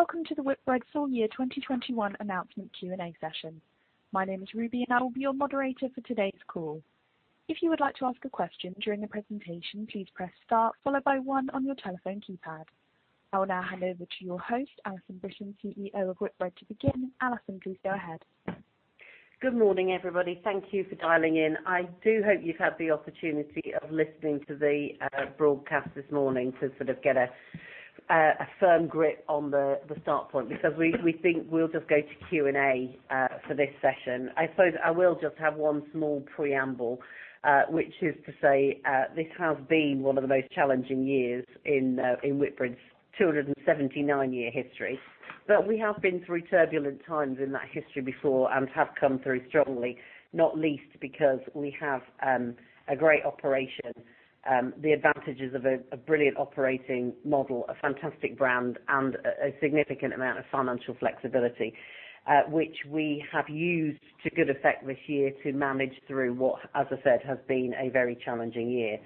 Welcome to the Whitbread full year 2021 Announcement Q&A Session. My name is Ruby, and I will be your moderator for today's call. If you would like to ask a question during the presentation, please press star followed by one on your telephone keypad. I will now hand over to your host, Alison Brittain, CEO of Whitbread to begin. Alison, please go ahead. Good morning, everybody. Thank you for dialing in. I do hope you've had the opportunity of listening to the broadcast this morning to sort of get a firm grip on the start point, because we think we'll just go to Q&A, for this session. I suppose I will just have one small preamble, which is to say, this has been one of the most challenging years in Whitbread's 279-year history. We have been through turbulent times in that history before and have come through strongly, not least because we have a great operation, the advantages of a brilliant operating model, a fantastic brand, and a significant amount of financial flexibility, which we have used to good effect this year to manage through what, as I said, has been a very challenging year.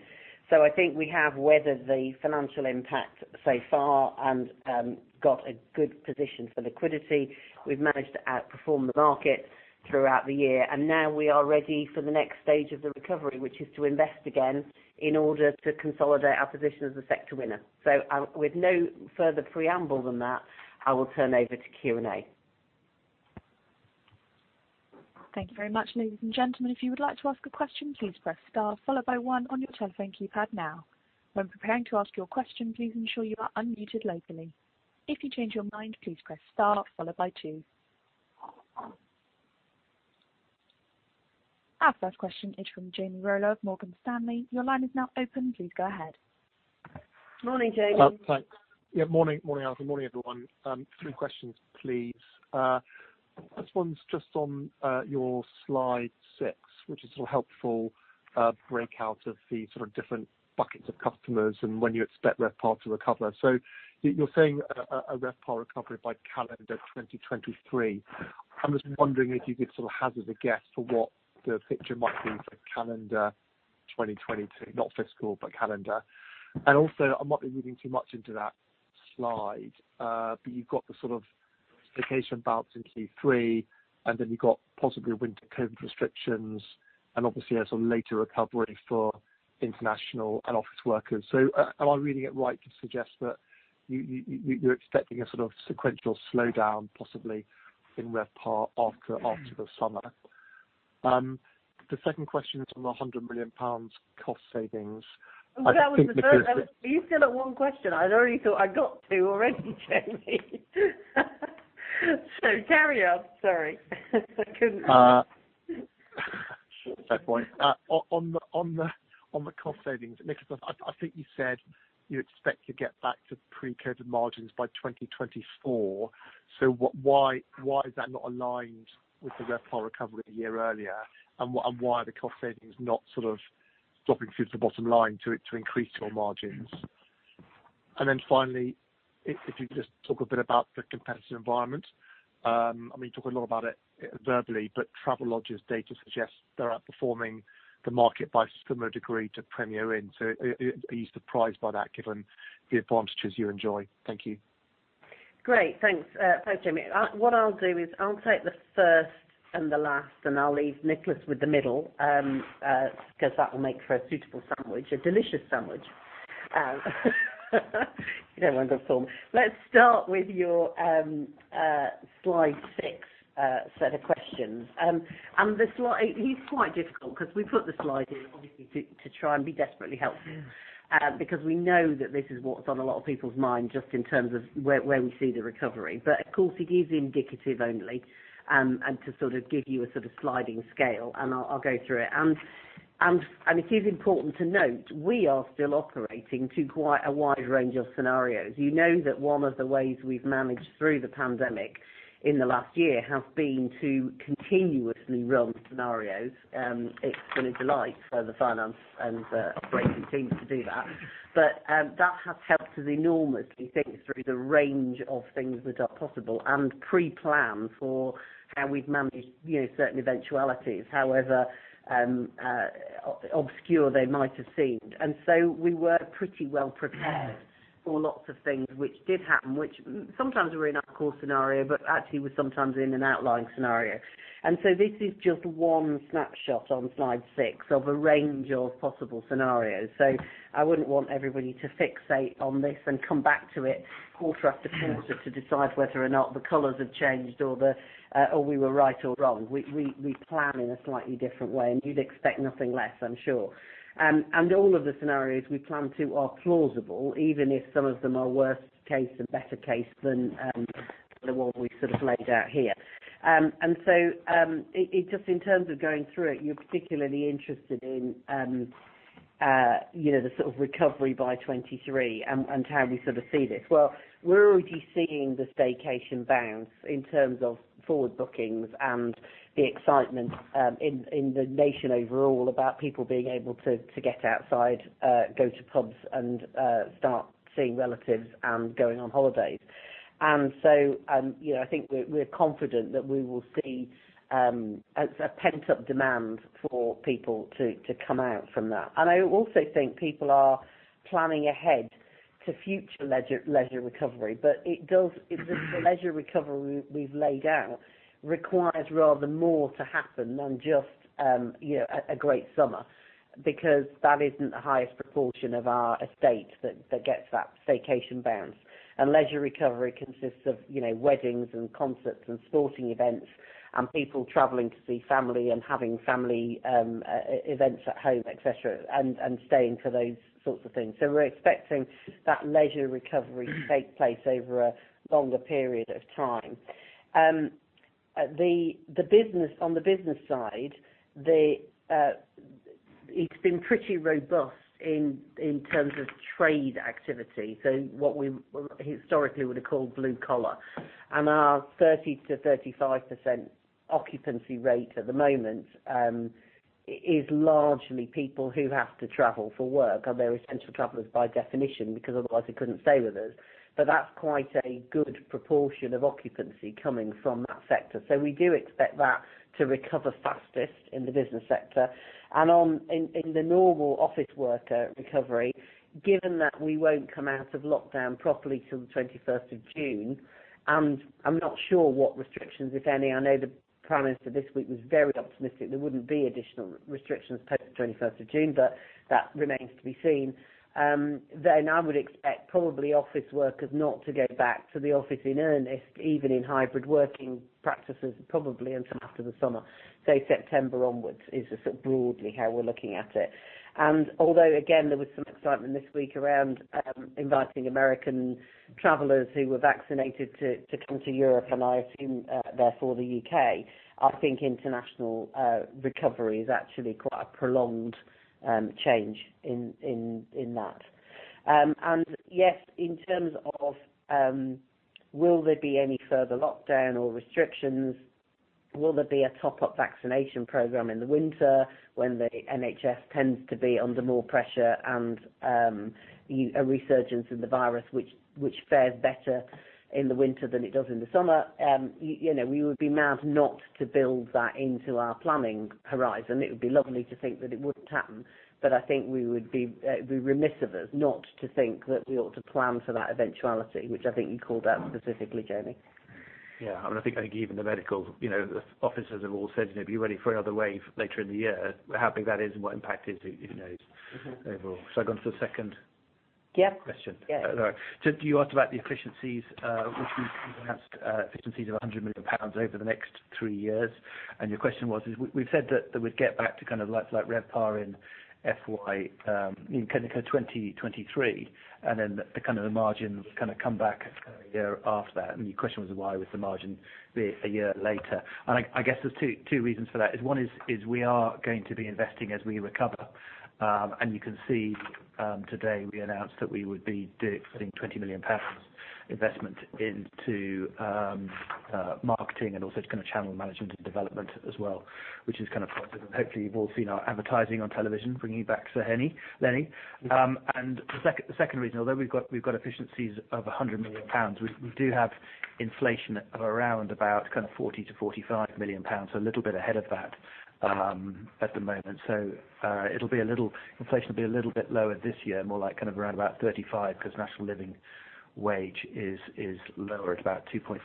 I think we have weathered the financial impact so far and got a good position for liquidity. We've managed to outperform the market throughout the year, and now we are ready for the next stage of the recovery, which is to invest again in order to consolidate our position as a sector winner. With no further preamble than that, I will turn over to Q&A. Thank you very much. Ladies and gentlemen, if you would like to ask a question, please press star followed by one on your telephone keypad now. When preparing to ask your question, please ensure you are unmuted locally. If you change your mind, please press star followed by two. Our first question is from Jamie Rollo of Morgan Stanley. Your line is now open. Please go ahead. Morning, Jamie. Thanks. Morning Alison, morning everyone. Three questions, please. First one's just on your slide 6, which is a helpful breakout of the different buckets of customers and when you expect RevPAR to recover. You're saying a RevPAR recovery by calendar 2023. I'm just wondering if you could sort of hazard a guess for what the picture might be for calendar 2022, not fiscal, but calendar. Also, I might be reading too much into that slide, but you've got the sort of vacation bounce in Q3, and then you've got possibly winter COVID restrictions and obviously a later recovery for international and office workers. Am I reading it right to suggest that you're expecting a sort of sequential slowdown possibly in RevPAR after the summer? The second question is on the 100 million pounds cost savings. You still have one question. I already thought I'd got two already, Jamie. Carry on. Sorry. Fair point. On the cost savings, Nicholas, I think you said you expect to get back to pre-COVID margins by 2024. Why is that not aligned with the RevPAR recovery a year earlier? Why are the cost savings not sort of dropping through to the bottom line to increase your margins? Finally, if you could just talk a bit about the competitive environment. You talk a lot about it verbally, but Travelodge's data suggests they're outperforming the market by a similar degree to Premier Inn. Are you surprised by that given the advantages you enjoy? Thank you. Great. Thanks, Jamie. What I'll do is I'll take the first and the last, and I'll leave Nicholas with the middle, because that will make for a suitable sandwich, a delicious sandwich. You know, wonderful. Let's start with your slide 6 set of questions. It is quite difficult because we put the slide in obviously to try and be desperately helpful because we know that this is what's on a lot of people's mind just in terms of where we see the recovery. Of course, it is indicative only, and to sort of give you a sort of sliding scale, and I'll go through it. It is important to note, we are still operating to quite a wide range of scenarios. You know that one of the ways we've managed through the pandemic in the last year has been to continuously run scenarios. It's been a delight for the finance and operations teams to do that. That has helped us enormously think through the range of things that are possible and pre-plan for how we've managed certain eventualities, however obscure they might have seemed. We were pretty well prepared for lots of things which did happen, which sometimes were in our core scenario, but actually were sometimes in an outlying scenario. This is just one snapshot on slide 6 of a range of possible scenarios. I wouldn't want everybody to fixate on this and come back to it quarter after quarter to decide whether or not the colors have changed or we were right or wrong. We plan in a slightly different way, and you'd expect nothing less, I'm sure. All of the scenarios we plan to are plausible, even if some of them are worst-case and best-case than the one we sort of laid out here. Just in terms of going through it, you're particularly interested in the sort of recovery by 2023 and how we sort of see this. Well, we're already seeing the staycation bounce in terms of forward bookings and the excitement in the nation overall about people being able to get outside, go to pubs, and start seeing relatives and going on holidays. I think we're confident that we will see a pent-up demand for people to come out from that. I also think people are planning ahead to future leisure recovery. The leisure recovery we've laid out requires rather more to happen than just a great summer, because that isn't the highest proportion of our estate that gets that staycation bounce. Leisure recovery consists of weddings and concerts and sporting events and people traveling to see family and having family events at home, et cetera, and staying for those sorts of things. We're expecting that leisure recovery to take place over a longer period of time. On the business side, it's been pretty robust in terms of trade activity, so what we historically would have called blue-collar. Our 30%-35% occupancy rate at the moment is largely people who have to travel for work. They're essential travelers by definition because otherwise they couldn't stay with us. That's quite a good proportion of occupancy coming from that sector. We do expect that to recover fastest in the business sector. In the normal office worker recovery, given that we won't come out of lockdown properly till the 21st of June, and I'm not sure what restrictions, if any. I know the Prime Minister this week was very optimistic there wouldn't be additional restrictions post 21st of June, but that remains to be seen. I would expect probably office workers not to go back to the office in earnest, even in hybrid working practices, probably until after the summer. Say September onwards is sort of broadly how we're looking at it. Although, again, there was some excitement this week around inviting American travelers who were vaccinated to come to Europe, and I assume therefore the U.K., I think international recovery is actually quite a prolonged change in that. Yes, in terms of will there be any further lockdown or restrictions, will there be a top-up vaccination program in the winter when the NHS tends to be under more pressure and a resurgence of the virus which fares better in the winter than it does in the summer? We would be mad not to build that into our planning horizon. It would be lovely to think that it wouldn't happen, but I think it would be remiss of us not to think that we ought to plan for that eventuality, which I think you called out specifically, Jamie. Yeah. I think even the medical officers have all said to be ready for another wave later in the year. How big that is and what impact is, who knows overall. Yeah. I've gone to your second question? Yeah. All right. You asked about the efficiencies which we've enhanced efficiencies of 100 million pounds over the next three years, your question was, we've said that we'd get back to like RevPAR in FY 2023, then the margins come back a year after that. Your question was why was the margin a year later? I guess there's two reasons for that is one is, we are going to be investing as we recover. You can see today we announced that we would be putting 20 million pounds investment into marketing and also channel management and development as well, which is positive. Hopefully, you've all seen our advertising on television, bringing back Sir Henry Lenny. The second reason, although we've got efficiencies of 100 million pounds, we do have inflation of around about kind of 40 million-45 million pounds. A little bit ahead of that at the moment. Inflation will be a little bit lower this year, more like kind of around about 35% because national living wage is lower at about 2.2%,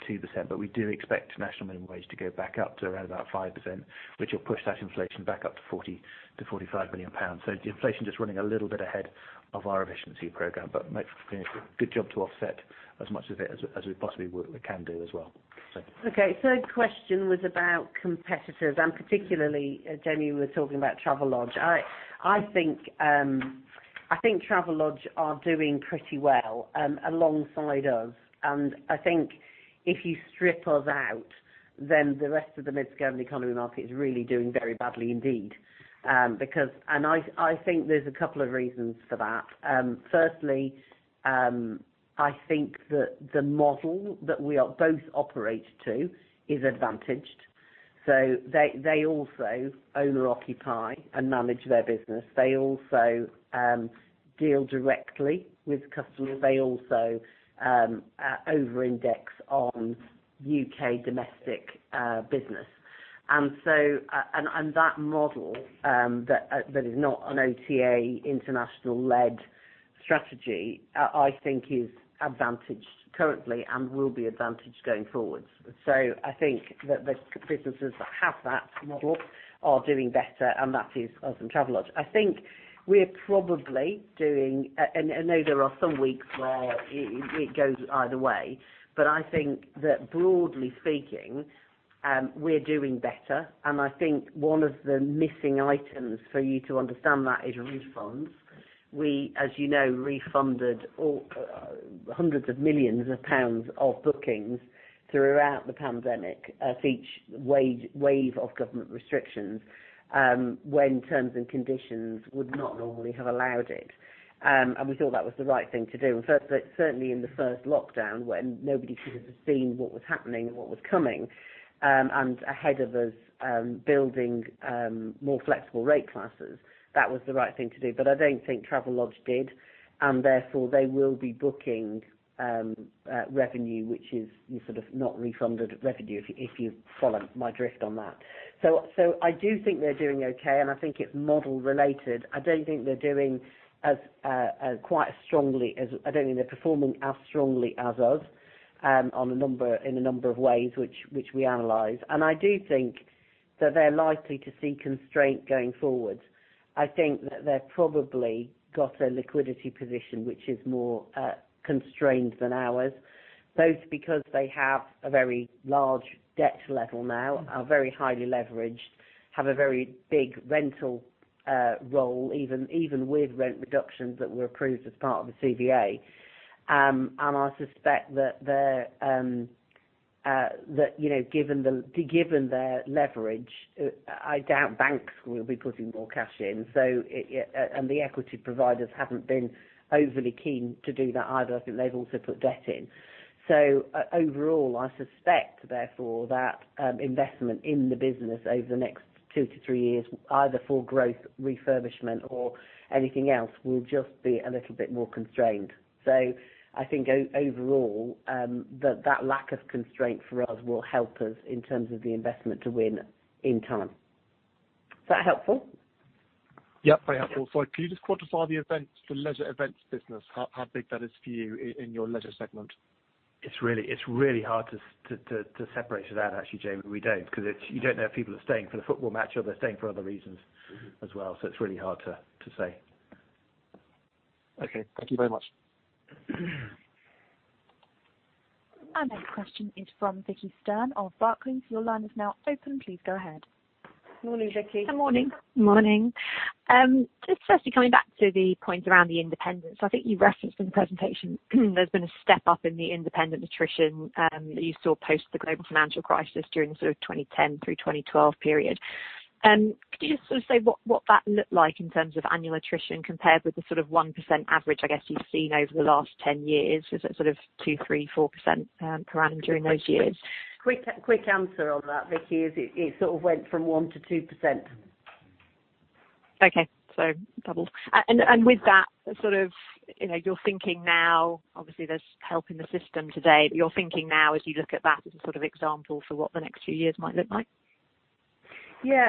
but we do expect national minimum wage to go back up to around about 5%, which will push that inflation back up to 40 million-45 million pounds. The inflation just running a little bit ahead of our efficiency program, but making a good job to offset as much of it as we possibly can do as well. Third question was about competitors and particularly, Jamie, you were talking about Travelodge. Travelodge are doing pretty well alongside us, I think if you strip us out, the rest of the midscale and economy market is really doing very badly indeed. I think there's a couple of reasons for that. Firstly, I think that the model that we both operate to is advantaged. They also owner occupy and manage their business. They also deal directly with customers. They also over-index on U.K. domestic business. That model that is not an OTA international-led strategy, I think is advantaged currently and will be advantaged going forwards. I think that the businesses that have that model are doing better, and that is us and Travelodge. I think we're probably doing. I know there are some weeks where it goes either way, but I think that broadly speaking, we're doing better. I think one of the missing items for you to understand that is refunds. We, as you know, refunded hundreds of millions of pounds of bookings throughout the pandemic for each wave of government restrictions when terms and conditions would not normally have allowed it. We thought that was the right thing to do. Certainly in the first lockdown, when nobody could have seen what was happening and what was coming, and ahead of us building more flexible rate classes, that was the right thing to do. I don't think Travelodge did, and therefore they will be booking revenue, which is sort of not refunded revenue, if you follow my drift on that. I do think they're doing okay, and I think it's model related. I don't think they're performing as strongly as us in a number of ways which we analyze. I do think that they're likely to see constraint going forward. I think that they've probably got a liquidity position which is more constrained than ours, both because they have a very large debt level now, are very highly leveraged, have a very big rental roll, even with rent reductions that were approved as part of the CVA. I suspect that given their leverage, I doubt banks will be putting more cash in. The equity providers haven't been overly keen to do that either. I think they've also put debt in. Overall, I suspect, therefore, that investment in the business over the next two to three years, either for growth, refurbishment, or anything else, will just be a little bit more constrained. I think overall, that lack of constraint for us will help us in terms of the investment to win in time. Is that helpful? Yeah, very helpful. Sorry, can you just quantify the leisure events business, how big that is for you in your leisure segment? It's really hard to separate that actually, Jamie. We don't, because you don't know if people are staying for the football match or they're staying for other reasons as well. It's really hard to say. Okay. Thank you very much. Our next question is from Vicki Stern of Barclays. Your line is now open. Please go ahead. Morning, Vicki. Good morning. Just firstly, coming back to the point around the independents, I think you referenced in the presentation there's been a step-up in the independent attrition that you saw post the global financial crisis during sort of 2010 through 2012 period. Could you just sort of say what that looked like in terms of annual attrition compared with the sort of 1% average, I guess, you've seen over the last 10 years? Was it sort of 2%, 3%, 4% per annum during those years? Quick answer on that, Vicki, is it sort of went from 1%-2%. Okay, doubles. With that sort of, you're thinking now, obviously there's help in the system today, but you're thinking now as you look at that as a sort of example for what the next few years might look like? We're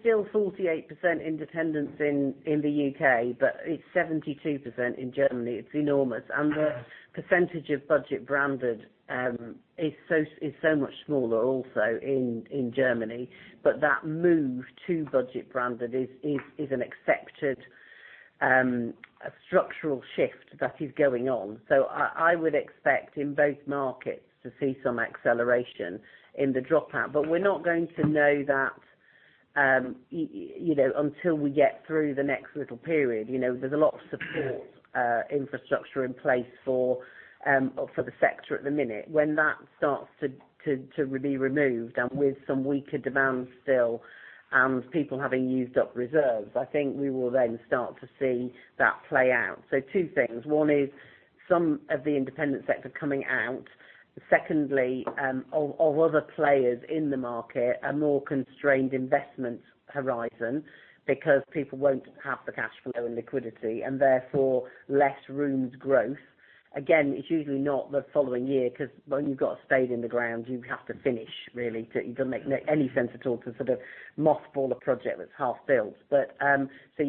still 48% independent in the U.K., but it's 72% in Germany. It's enormous. The percentage of budget branded is so much smaller also in Germany. That move to budget branded is an accepted structural shift that is going on. I would expect in both markets to see some acceleration in the dropout, but we're not going to know that until we get through the next little period. There's a lot of support infrastructure in place for the sector at the minute. When that starts to be removed and with some weaker demand still and people having used up reserves, I think we will then start to see that play out. Two things. One is some of the independent sector coming out. Of other players in the market, a more constrained investment horizon because people won't have the cash flow and liquidity, and therefore less rooms growth. It's usually not the following year because when you've got a spade in the ground, you have to finish really. It doesn't make any sense at all to sort of mothball a project that's half-built. You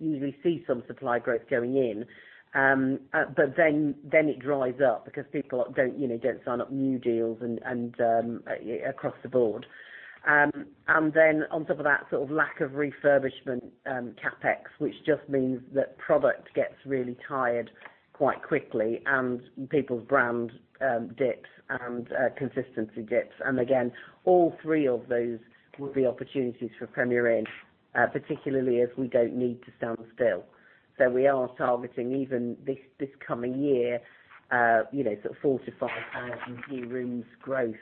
usually see some supply growth going in, it dries up because people don't sign up new deals and across the board. On top of that sort of lack of refurbishment CapEx, which just means that product gets really tired quite quickly and people's brand dips and consistency dips. All three of those will be opportunities for Premier Inn, particularly as we don't need to stand still. We are targeting even this coming year sort of 45,000 new rooms growth,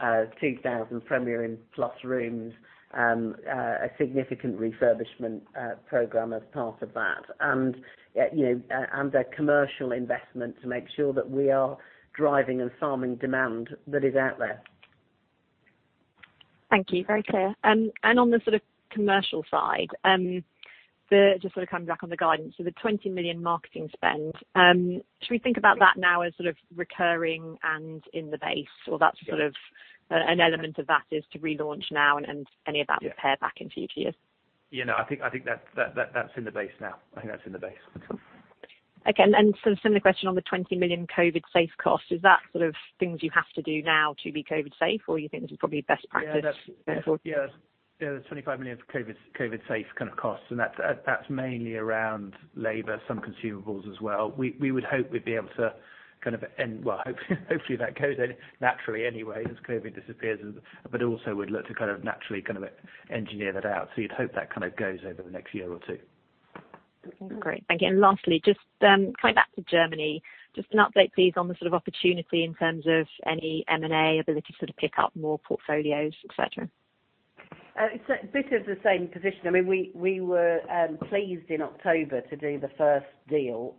2,000 Premier Inn Plus rooms, a significant refurbishment program as part of that, and a commercial investment to make sure that we are driving and farming demand that is out there. Thank you. Very clear. On the sort of commercial side, just sort of coming back on the guidance. The 20 million marketing spend, should we think about that now as sort of recurring and in the base? That's sort of an element of that is to relaunch now and any of that- Yeah. ...will pare back in future years? Yeah, no, I think that's in the base now. I think that's in the base. Okay. A similar question on the 20 million COVID safe cost, is that sort of things you have to do now to be COVID safe, or you think this is probably best practice going forward? The 25 million for COVID safe kind of costs, that's mainly around labor, some consumables as well. We would hope we'd be able to. Well, hopefully that goes naturally anyway as COVID disappears, also we'd look to kind of naturally engineer that out. You'd hope that kind of goes over the next year or two. Great. Thank you. Lastly, just coming back to Germany, just an update, please, on the sort of opportunity in terms of any M&A ability to sort of pick up more portfolios, et cetera? A bit of the same position. We were pleased in October to do the first deal.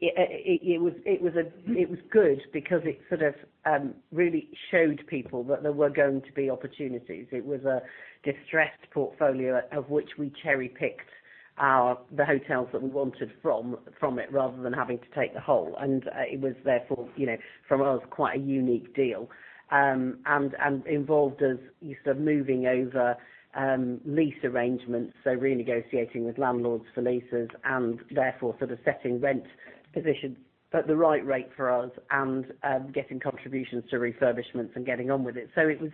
It was good because it sort of really showed people that there were going to be opportunities. It was a distressed portfolio of which we cherry-picked the hotels that we wanted from it, rather than having to take the whole. It was therefore, from us, quite a unique deal and involved us moving over lease arrangements. Renegotiating with landlords for leases and therefore sort of setting rent positions at the right rate for us and getting contributions to refurbishments and getting on with it. It was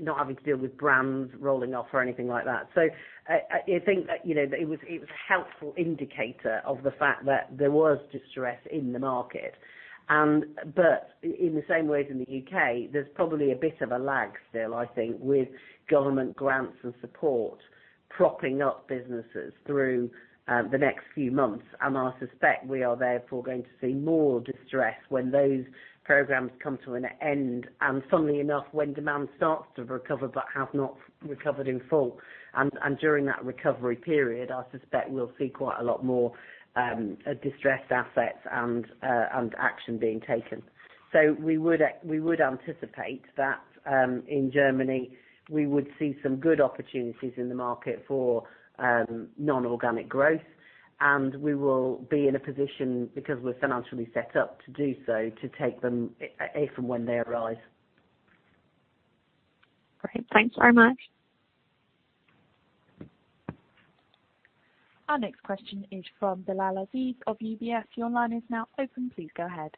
not having to deal with brands rolling off or anything like that. I think that it was a helpful indicator of the fact that there was distress in the market. In the same way as in the U.K., there's probably a bit of a lag still, I think, with government grants and support propping up businesses through the next few months. I suspect we are therefore going to see more distress when those programs come to an end, and funnily enough, when demand starts to recover but has not recovered in full. During that recovery period, I suspect we'll see quite a lot more distressed assets and action being taken. We would anticipate that in Germany we would see some good opportunities in the market for non-organic growth, and we will be in a position because we're financially set up to do so, to take them if and when they arise. Great. Thanks very much. Our next question is from Bilal Aziz of UBS. Your line is now open. Please go ahead.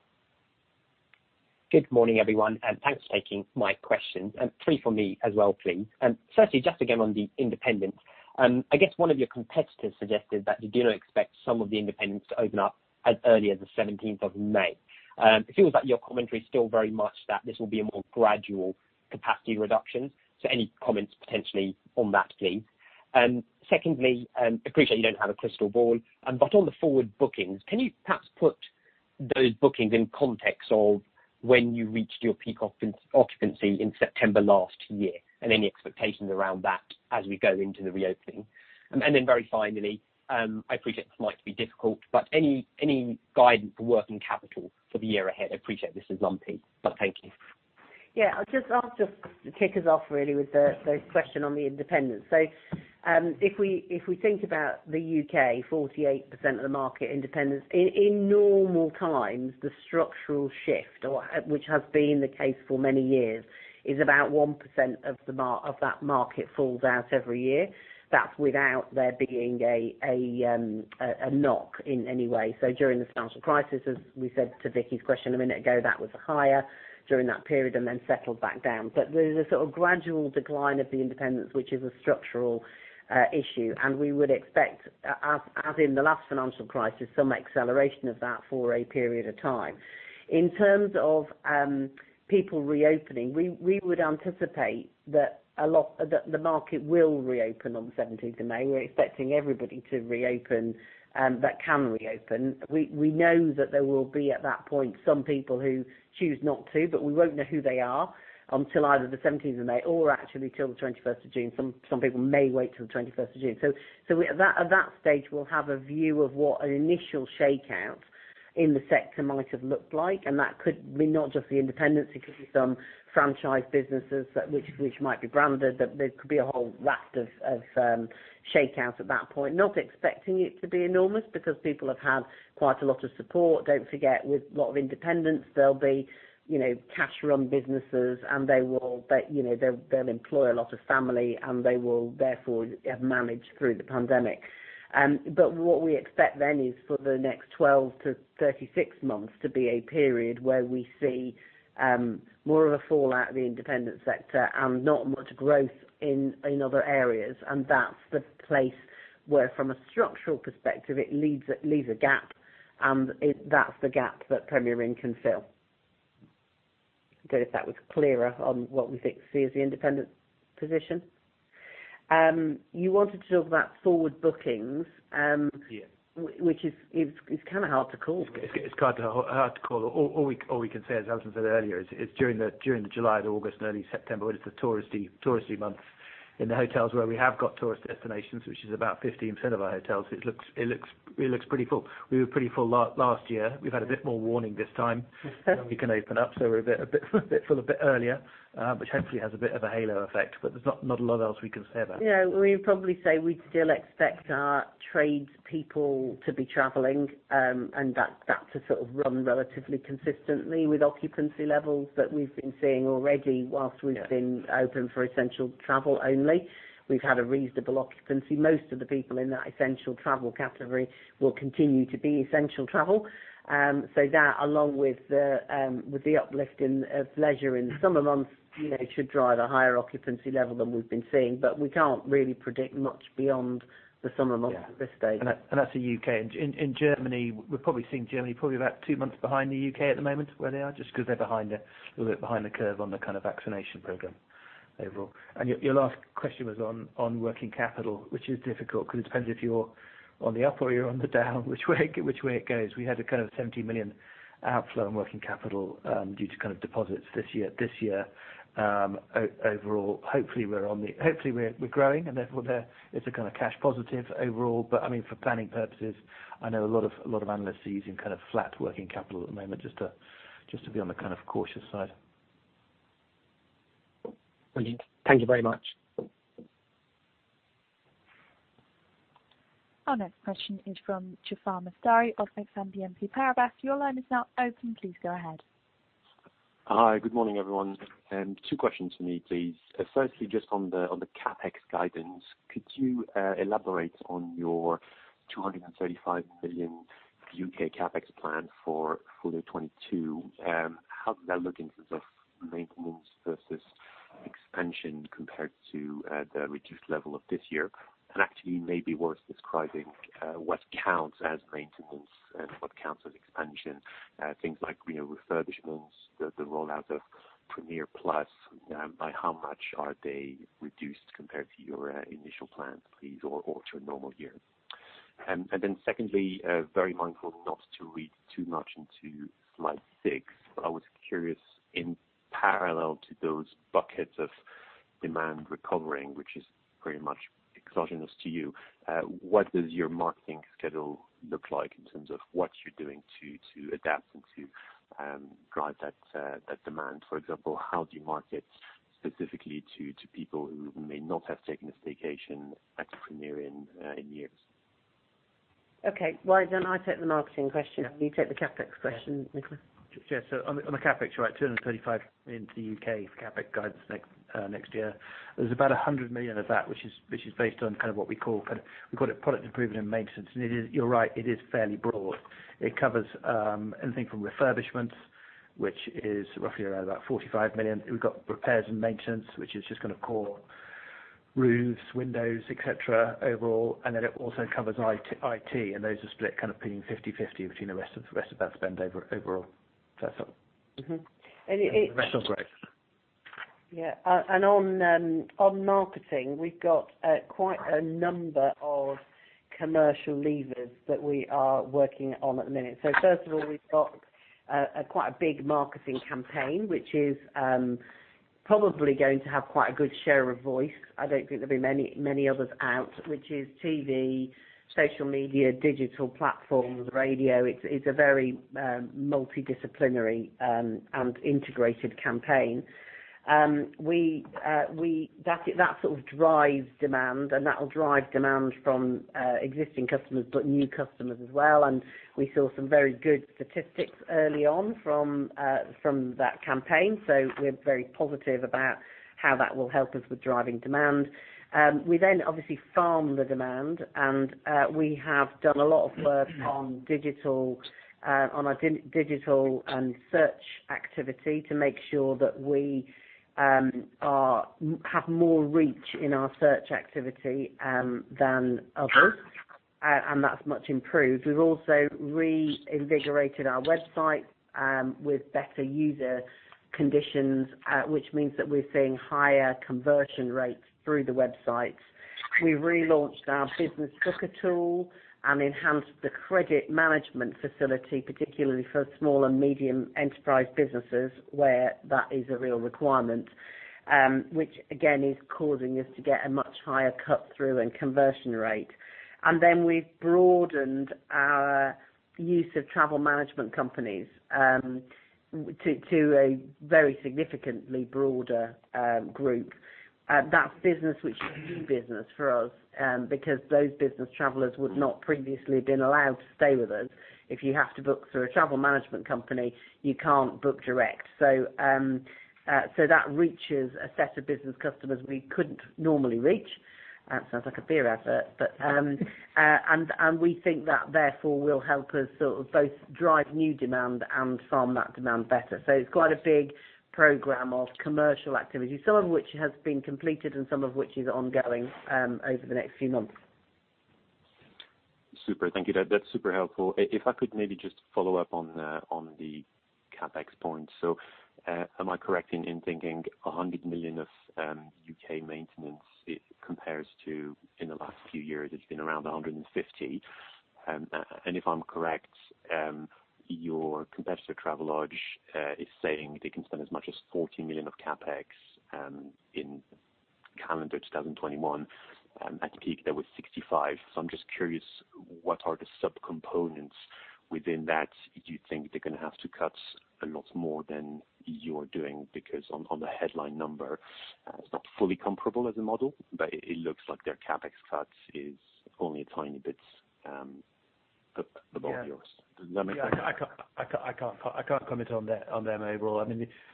Good morning, everyone, thanks for taking my questions. Three for me as well, please. Firstly, just again on the independents, I guess one of your competitors suggested that you do not expect some of the independents to open up as early as the 17th of May. It feels like your commentary is still very much that this will be a more gradual capacity reduction. Any comments potentially on that, please? Secondly, appreciate you don't have a crystal ball, but on the forward bookings, can you perhaps put those bookings in context of when you reached your peak occupancy in September last year and any expectations around that as we go into the reopening? Very finally, I appreciate this might be difficult, but any guidance for working capital for the year ahead? I appreciate this is lumpy, but thank you. I'll just kick us off really with the question on the independents. If we think about the U.K., 48% of the market independents, in normal times, the structural shift, which has been the case for many years, is about 1% of that market falls out every year. That's without there being a knock in any way. During the financial crisis, as we said to Vicki's question a minute ago, that was higher during that period and then settled back down. There's a sort of gradual decline of the independents, which is a structural issue, and we would expect, as in the last financial crisis, some acceleration of that for a period of time. In terms of people reopening, we would anticipate that the market will reopen on the 17th of May. We're expecting everybody to reopen that can reopen. We know that there will be, at that point, some people who choose not to, but we won't know who they are until either the 17th of May or actually till the 21st of June. Some people may wait till the 21st of June. At that stage, we'll have a view of what an initial shakeout in the sector might have looked like, and that could be not just the independents, it could be some franchise businesses which might be branded, there could be a whole raft of shakeout at that point. We are not expecting it to be enormous because people have had quite a lot of support. Don't forget, with a lot of independents, they'll be cash-run businesses, and they'll employ a lot of family, and they will therefore have managed through the pandemic. What we expect then is for the next 12-36 months to be a period where we see more of a fallout of the independent sector and not much growth in other areas. That's the place where, from a structural perspective, it leaves a gap, and that's the gap that Premier Inn can fill. Don't know if that was clearer on what we think sees the independent position. You wanted to talk about forward bookings- Yeah. ...which is kind of hard to call. It's hard to call. All we can say, as Alison said earlier, is during the July, the August, and early September, it's the touristy months in the hotels where we have got tourist destinations, which is about 15% of our hotels. It looks pretty full. We were pretty full last year. We've had a bit more warning this time that we can open up, so we're a bit full a bit earlier, which hopefully has a bit of a halo effect, but there's not a lot else we can say there. Yeah. We would probably say we'd still expect our trades people to be traveling and that to sort of run relatively consistently with occupancy levels that we've been seeing already whilst we've been open for essential travel only. We've had a reasonable occupancy. Most of the people in that essential travel category will continue to be essential travel. That along with the uplift in leisure in the summer months should drive a higher occupancy level than we've been seeing. We can't really predict much beyond the summer months at this stage. Yeah. That's the U.K. In Germany, we're probably seeing Germany probably about two months behind the U.K. at the moment where they are just because they're a little bit behind the curve on the kind of vaccination program overall. Your last question was on working capital, which is difficult because it depends if you're on the up or you're on the down, which way it goes. We had a kind of 70 million outflow in working capital due to deposits this year overall. Hopefully, we're growing and therefore there is a kind of cash positive overall. For planning purposes, I know a lot of analysts are using flat working capital at the moment just to be on the cautious side. Brilliant. Thank you very much. Our next question is from Jaafar Mestari of Exane BNP Paribas. Your line is now open. Please go ahead. Hi. Good morning, everyone. Two questions from me, please. Firstly, just on the CapEx guidance, could you elaborate on your 235 million U.K. CapEx plan for full year 2022? How does that look in terms of maintenance versus expansion compared to the reduced level of this year? Actually maybe worth describing what counts as maintenance and what counts as expansion. Things like refurbishments, the rollout of Premier Plus, by how much are they reduced compared to your initial plans, please, or to a normal year? Secondly, very mindful not to read too much into slide 6, but I was curious, in parallel to those buckets of demand recovering, which is very much exogenous to you, what does your marketing schedule look like in terms of what you're doing to adapt and to drive that demand? For example, how do you market specifically to people who may not have taken a staycation at Premier Inn in years? Okay. Well I take the marketing question, and you take the CapEx question, Nicholas. On the CapEx, you're right, 235 million for the U.K. for CapEx guidance next year. There's about 100 million of that, which is based on what we call product improvement and maintenance. You're right, it is fairly broad. It covers anything from refurbishments, which is roughly around about 45 million. We've got repairs and maintenance, which is just going to call roofs, windows, et cetera, overall. Then it also covers IT, and those are split kind of pinning 50/50 between the rest of that spend overall. That's all. Mm-hmm. And it- The rest are growth. Yeah. On marketing, we've got quite a number of commercial levers that we are working on at the minute. First of all, we've got quite a big marketing campaign, which is probably going to have quite a good share of voice. I don't think there'll be many others out, which is TV, social media, digital platforms, radio. It's a very multidisciplinary and integrated campaign. That sort of drives demand, and that'll drive demand from existing customers, but new customers as well, and we saw some very good statistics early on from that campaign. We're very positive about how that will help us with driving demand. We obviously farm the demand, and we have done a lot of work on our digital and search activity to make sure that we have more reach in our search activity than others. That's much improved. We've also reinvigorated our website with better user conditions, which means that we're seeing higher conversion rates through the websites. We relaunched our Business Booker tool and enhanced the credit management facility, particularly for small and medium enterprise businesses, where that is a real requirement, which again is causing us to get a much higher cut-through and conversion rate. We've broadened our use of Travel Management Companies to a very significantly broader group. That's business which is new business for us, because those business travelers would not previously been allowed to stay with us. If you have to book through a Travel Management Company, you can't book direct. That reaches a set of business customers we couldn't normally reach. That sounds like a beer advert. We think that therefore will help us both drive new demand and farm that demand better. It's quite a big program of commercial activity, some of which has been completed and some of which is ongoing over the next few months. Super. Thank you. That's super helpful. If I could maybe just follow up on the CapEx point. Am I correct in thinking 100 million of U.K. maintenance compares to, in the last few years, it's been around 150? If I'm correct, your competitor, Travelodge, is saying they can spend as much as 40 million of CapEx in calendar 2021. At peak, they were 65. I'm just curious, what are the sub-components within that? Do you think they're going to have to cut a lot more than you're doing? On the headline number, it's not fully comparable as a model, but it looks like their CapEx cut is only a tiny bit above yours. Does that make sense? I can't comment on them overall.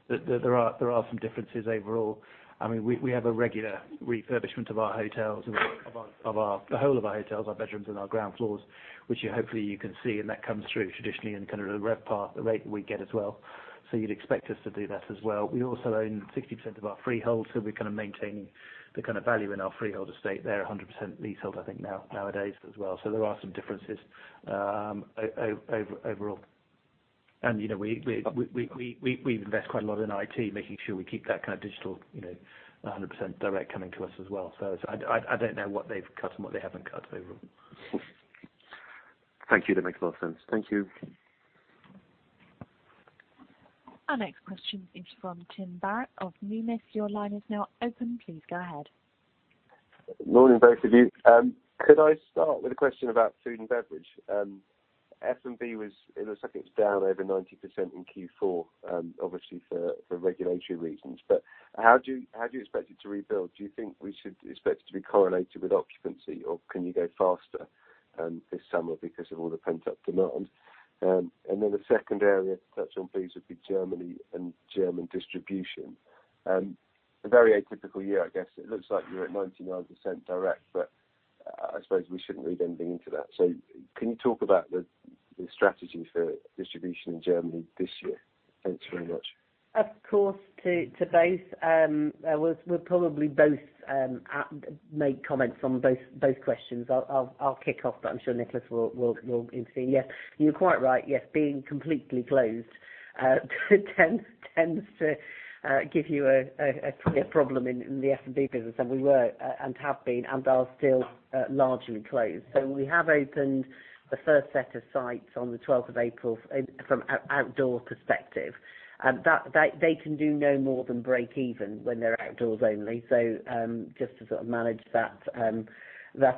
There are some differences overall. We have a regular refurbishment of our hotels, the whole of our hotels, our bedrooms, and our ground floors, which hopefully you can see, and that comes through traditionally in kind of the RevPAR, the rate that we get as well. You'd expect us to do that as well. We also own 60% of our freehold, we're kind of maintaining the value in our freehold estate there, 100% leasehold, I think, nowadays as well. There are some differences overall. We've invested quite a lot in IT, making sure we keep that kind of digital 100% direct coming to us as well. I don't know what they've cut and what they haven't cut overall. Thank you. That makes a lot of sense. Thank you. Our next question is from Tim Barrett of Numis. Your line is now open. Please go ahead. Morning, both of you. Could I start with a question about food and beverage? F&B, it looks like it's down over 90% in Q4, obviously for regulatory reasons. How do you expect it to rebuild? Do you think we should expect it to be correlated with occupancy, or can you go faster this summer because of all the pent-up demand? The second area to touch on, please, would be Germany and German distribution. A very atypical year, I guess. It looks like you're at 99% direct, but I suppose we shouldn't read anything into that. Can you talk about the strategy for distribution in Germany this year? Thanks very much. Of course, to both. We'll probably both make comments on both questions. I'll kick off, but I'm sure Nicholas will intercede. You're quite right. Being completely closed tends to give you a problem in the F&B business, and we were, and have been, and are still largely closed. We have opened the first set of sites on the 12th of April from an outdoor perspective. They can do no more than break even when they're outdoors only, so just to sort of manage that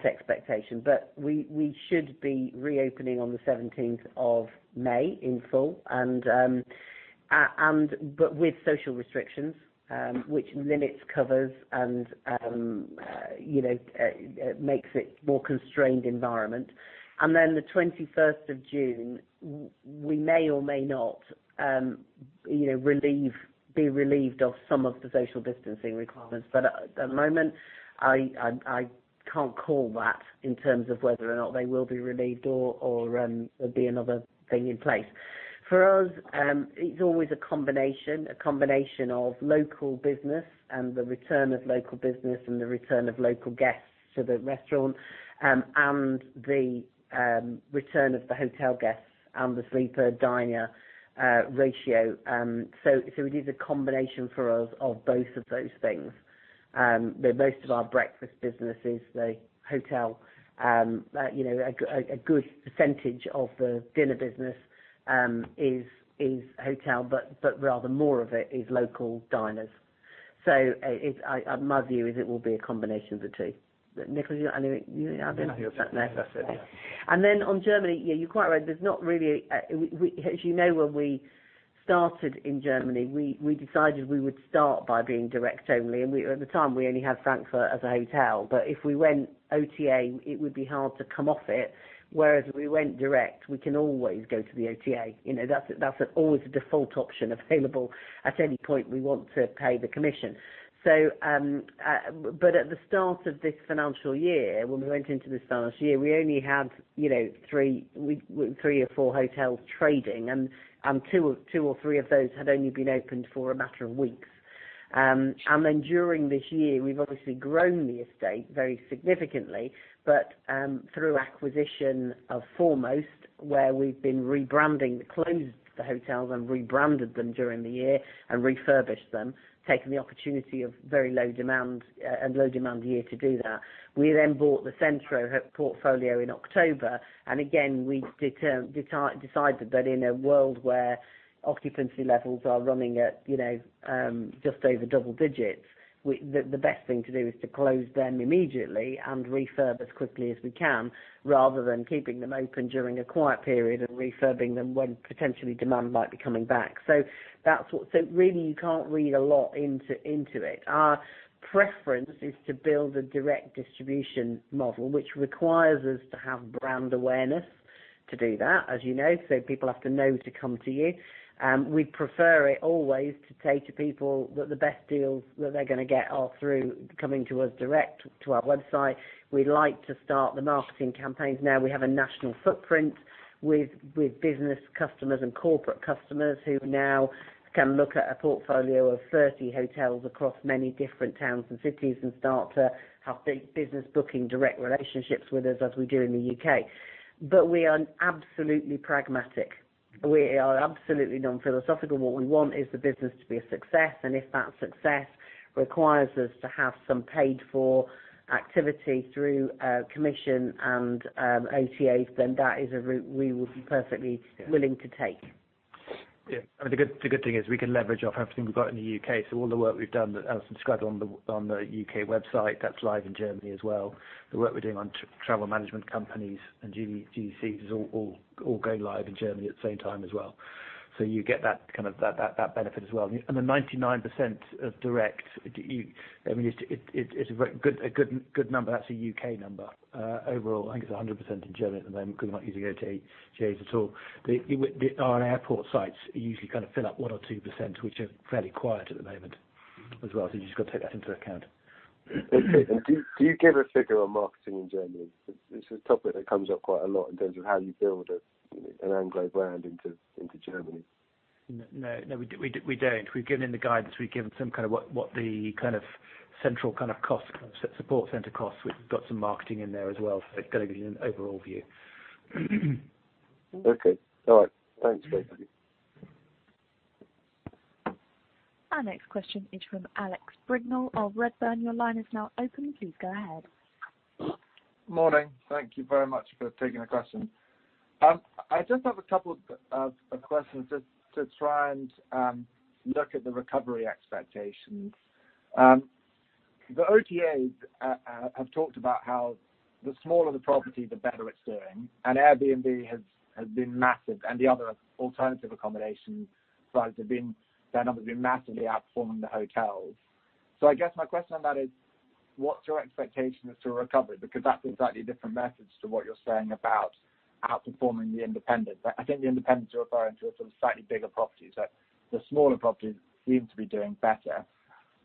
expectation. We should be reopening on the 17th of May in full, but with social restrictions, which limits covers and makes it a more constrained environment. Then the 21st of June, we may or may not be relieved of some of the social distancing requirements. At the moment, I can't call that in terms of whether or not they will be relieved or there'll be another thing in place. For us, it's always a combination of local business and the return of local business and the return of local guests to the restaurant, and the return of the hotel guests and the sleeper/diner ratio. It is a combination for us of both of those things. Most of our breakfast business is the hotel. A good percentage of the dinner business is hotel, but rather more of it is local diners. My view is it will be a combination of the two. Nicholas, you want to. No, that's it, yeah. On Germany, yeah, you're quite right. As you know, when we started in Germany, we decided we would start by being direct only, and at the time, we only had Frankfurt as a hotel. If we went OTA, it would be hard to come off it. Whereas if we went direct, we can always go to the OTA. That's always a default option available at any point we want to pay the commission. At the start of this financial year, when we went into the start of this year, we only had three or four hotels trading, and two or three of those had only been opened for a matter of weeks. During this year, we've obviously grown the estate very significantly, but through acquisition of Foremost, where we've been rebranding. Closed the hotels and rebranded them during the year and refurbished them, taking the opportunity of very low demand year to do that. We bought the Centro portfolio in October. Again, we decided that in a world where occupancy levels are running at just over double digits, the best thing to do is to close them immediately and refurb as quickly as we can, rather than keeping them open during a quiet period and refurbing them when potentially demand might be coming back. Really, you can't read a lot into it. Our preference is to build a direct distribution model, which requires us to have brand awareness to do that, as you know. People have to know to come to you. We'd prefer it always to say to people that the best deals that they're going to get are through coming to us direct to our website. We'd like to start the marketing campaigns now. We have a national footprint with business customers and corporate customers who now can look at a portfolio of 30 hotels across many different towns and cities and start to have big business booking direct relationships with us as we do in the U.K. We are absolutely pragmatic. We are absolutely non-philosophical. What we want is the business to be a success, and if that success requires us to have some paid-for activity through commission and OTAs, then that is a route we would be perfectly willing to take. Yeah. The good thing is we can leverage off everything we've got in the U.K. All the work we've done that Alison described on the U.K. website, that's live in Germany as well. The work we're doing on travel management companies and GDS is all going live in Germany at the same time as well. You get that benefit as well. The 99% of direct, it's a very good number. That's a U.K. number. Overall, I think it's 100% in Germany at the moment because we're not using OTAs at all. Our airport sites usually fill up 1% or 2%, which are fairly quiet at the moment as well. You've just got to take that into account. Okay. Do you give a figure on marketing in Germany? It's a topic that comes up quite a lot in terms of how you build an Anglo brand into Germany. No, we don't. We've given in the guidance, we've given what the central cost, support center costs. We've got some marketing in there as well. It's got to give you an overall view. Okay. All right. Thanks, both of you. Our next question is from Alex Brignall of Redburn. Your line is now open. Please go ahead. Morning. Thank you very much for taking the question. I just have a couple of questions just to try and look at the recovery expectations. The OTAs have talked about how the smaller the property, the better it's doing, and Airbnb has been massive. The other alternative accommodation sites, their numbers have been massively outperforming the hotels. I guess my question on that is, what's your expectation as to a recovery? Because that's an entirely different message to what you're saying about outperforming the independents. I think the independents you're referring to are some slightly bigger properties. The smaller properties seem to be doing better.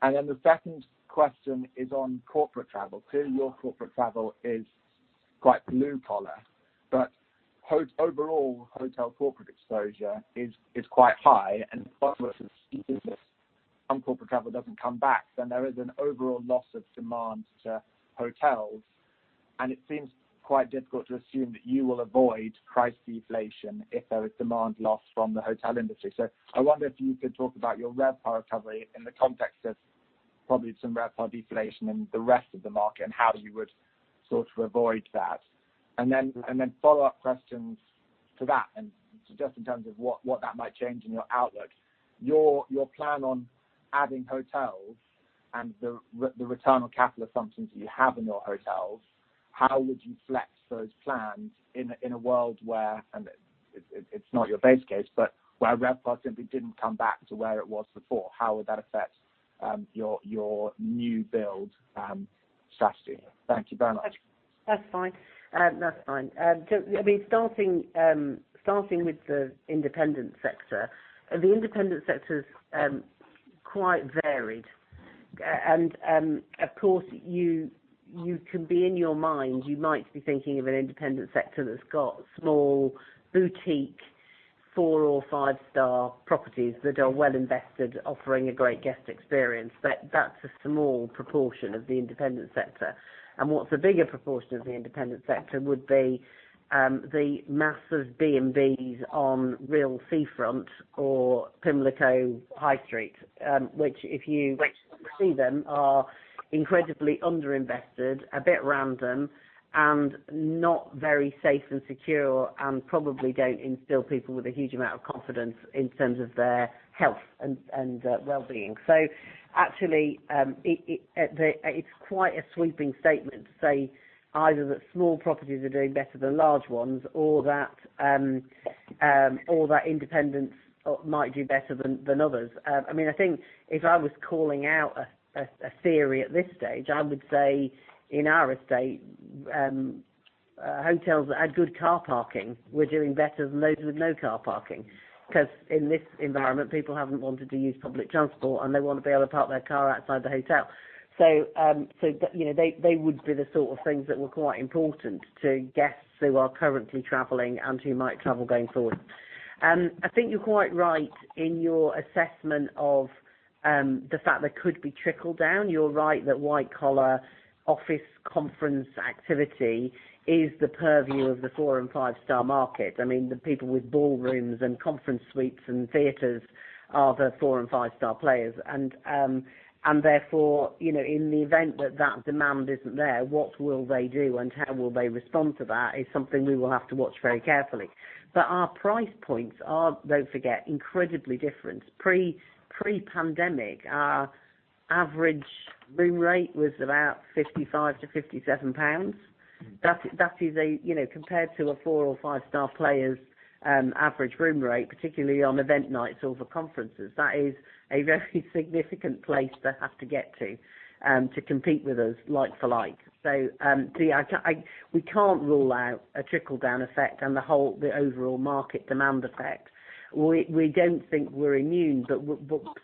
The second question is on corporate travel. Clearly, your corporate travel is quite blue-collar, but overall hotel corporate exposure is quite high and much of it is business. If corporate travel doesn't come back, then there is an overall loss of demand to hotels, and it seems quite difficult to assume that you will avoid price deflation if there is demand loss from the hotel industry. I wonder if you could talk about your RevPAR recovery in the context of probably some RevPAR deflation in the rest of the market, and how you would sort of avoid that. Follow-up questions to that and just in terms of what that might change in your outlook. Your plan on adding hotels and the return on capital assumptions that you have in your hotels, how would you flex those plans in a world where, and it's not your base case, but where RevPAR simply didn't come back to where it was before? How would that affect your new build strategy? Thank you very much. That's fine. Starting with the independent sector. The independent sector's quite varied. Of course, you can be in your mind, you might be thinking of an independent sector that's got small boutique, four or five-star properties that are well invested, offering a great guest experience. That's a small proportion of the independent sector. What's a bigger proportion of the independent sector would be the masses B&Bs on real seafront or Pimlico High Street, which if you see them, are incredibly under-invested, a bit random and not very safe and secure, and probably don't instill people with a huge amount of confidence in terms of their health and wellbeing. Actually, it's quite a sweeping statement to say either that small properties are doing better than large ones or that independents might do better than others. I think if I was calling out a theory at this stage, I would say in our estate, hotels that had good car parking were doing better than those with no car parking. In this environment, people haven't wanted to use public transport, and they want to be able to park their car outside the hotel. They would be the sort of things that were quite important to guests who are currently traveling and who might travel going forward. I think you're quite right in your assessment of the fact there could be trickle-down. You're right that white-collar office conference activity is the purview of the four and five-star market. The people with ballrooms and conference suites and theaters are the four and five-star players. Therefore, in the event that that demand isn't there, what will they do and how will they respond to that is something we will have to watch very carefully. Our price points are, don't forget, incredibly different. Pre-pandemic, our average room rate was about 55-57 pounds. Compared to a four or five-star player's average room rate, particularly on event nights or for conferences, that is a very significant place they have to get to compete with us like for like. We can't rule out a trickle-down effect and the overall market demand effect. We don't think we're immune, but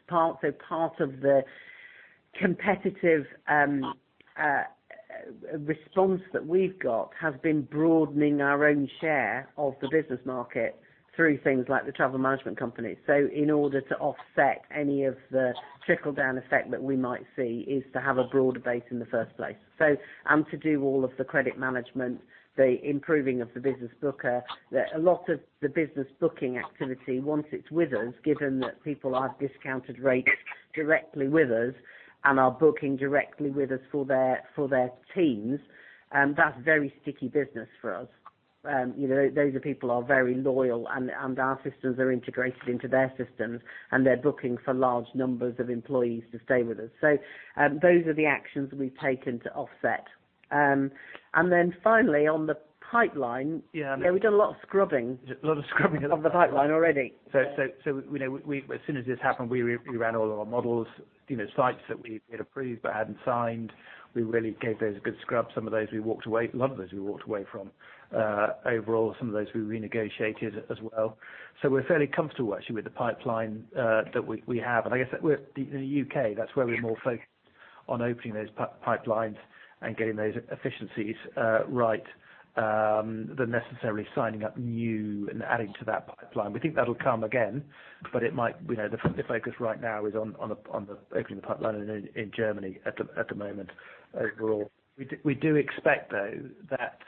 part of the competitive response that we've got has been broadening our own share of the business market through things like the Travel Management Company. In order to offset any of the trickle-down effect that we might see is to have a broader base in the first place. To do all of the credit management, the improving of the Business Booker, a lot of the business booking activity, once it's with us, given that people have discounted rates directly with us and are booking directly with us for their teams, that's very sticky business for us. Those are people are very loyal, and our systems are integrated into their systems, and they're booking for large numbers of employees to stay with us. Those are the actions we've taken to offset. Then finally on the pipeline- Yeah. We've done a lot of scrubbing. A lot of scrubbing. ...on the pipeline already. As soon as this happened, we ran all of our models, sites that we'd approved but hadn't signed. We really gave those a good scrub. A lot of those we walked away from. Overall, some of those we renegotiated as well. We're fairly comfortable actually, with the pipeline that we have. I guess in the U.K., that's where we're more focused on opening those pipelines and getting those efficiencies right, than necessarily signing up new and adding to that pipeline. We think that'll come again, but the focus right now is on opening the pipeline in Germany at the moment overall. We do expect, though, that-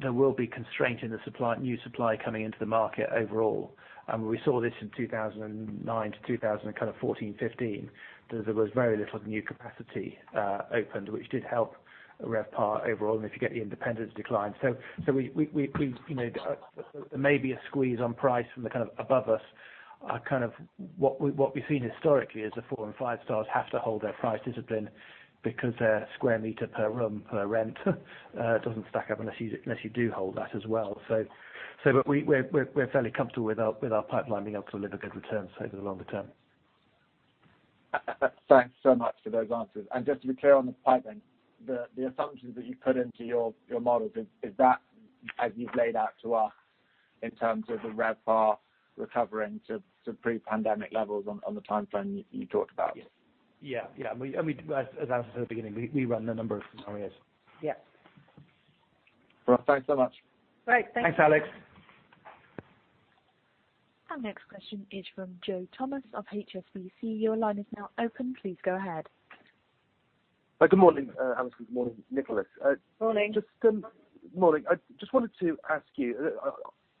...there will be constraint in the new supply coming into the market overall. We saw this in 2009 to 2014, 2015, that there was very little new capacity opened, which did help RevPAR overall, and if you get the independents decline. There may be a squeeze on price from above us. What we've seen historically is the four and five stars have to hold their price discipline because their square meter per room, per rent doesn't stack up unless you do hold that as well. We're fairly comfortable with our pipeline being able to deliver good returns over the longer term. Thanks so much for those answers. Just to be clear on the pipeline, the assumptions that you put into your models, is that as you've laid out to us in terms of the RevPAR recovering to pre-pandemic levels on the timeframe you talked about? Yeah. As I said at the beginning, we run a number of scenarios. Yeah. Well, thanks so much. Great. Thank you. Thanks, Alex. Our next question is from Joe Thomas of HSBC. Your line is now open. Please go ahead. Good morning, Alison. Good morning, Nicholas. Morning. Morning. I just wanted to ask you,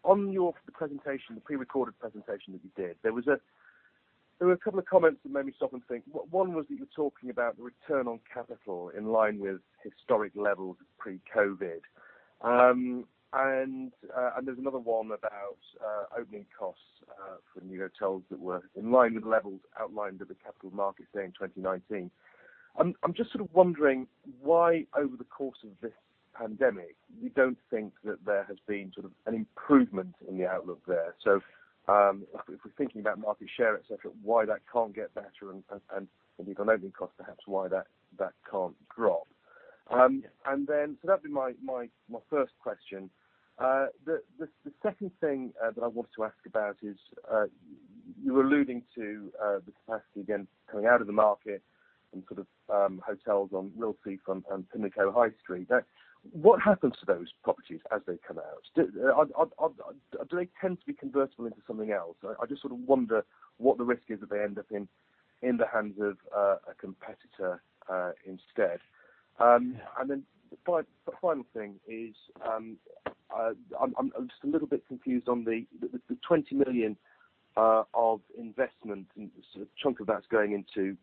on your presentation, the prerecorded presentation that you did, there were a couple of comments that made me stop and think. One was that you were talking about the return on capital in line with historic levels pre-COVID. There's another one about opening costs for new hotels that were in line with levels outlined at the Capital Markets Day in 2019. I'm just wondering why, over the course of this pandemic, you don't think that there has been an improvement in the outlook there. If we're thinking about market share, et cetera, why that can't get better and, on opening costs, perhaps why that can't drop. That'd be my first question. The second thing that I wanted to ask about is, you were alluding to the capacity again coming out of the market and hotels on real seafront and Pimlico High Street. What happens to those properties as they come out? Do they tend to be convertible into something else? I just wonder what the risk is that they end up in the hands of a competitor instead. The final thing is, I'm just a little bit confused on the 20 million of investment and the chunk of that's going into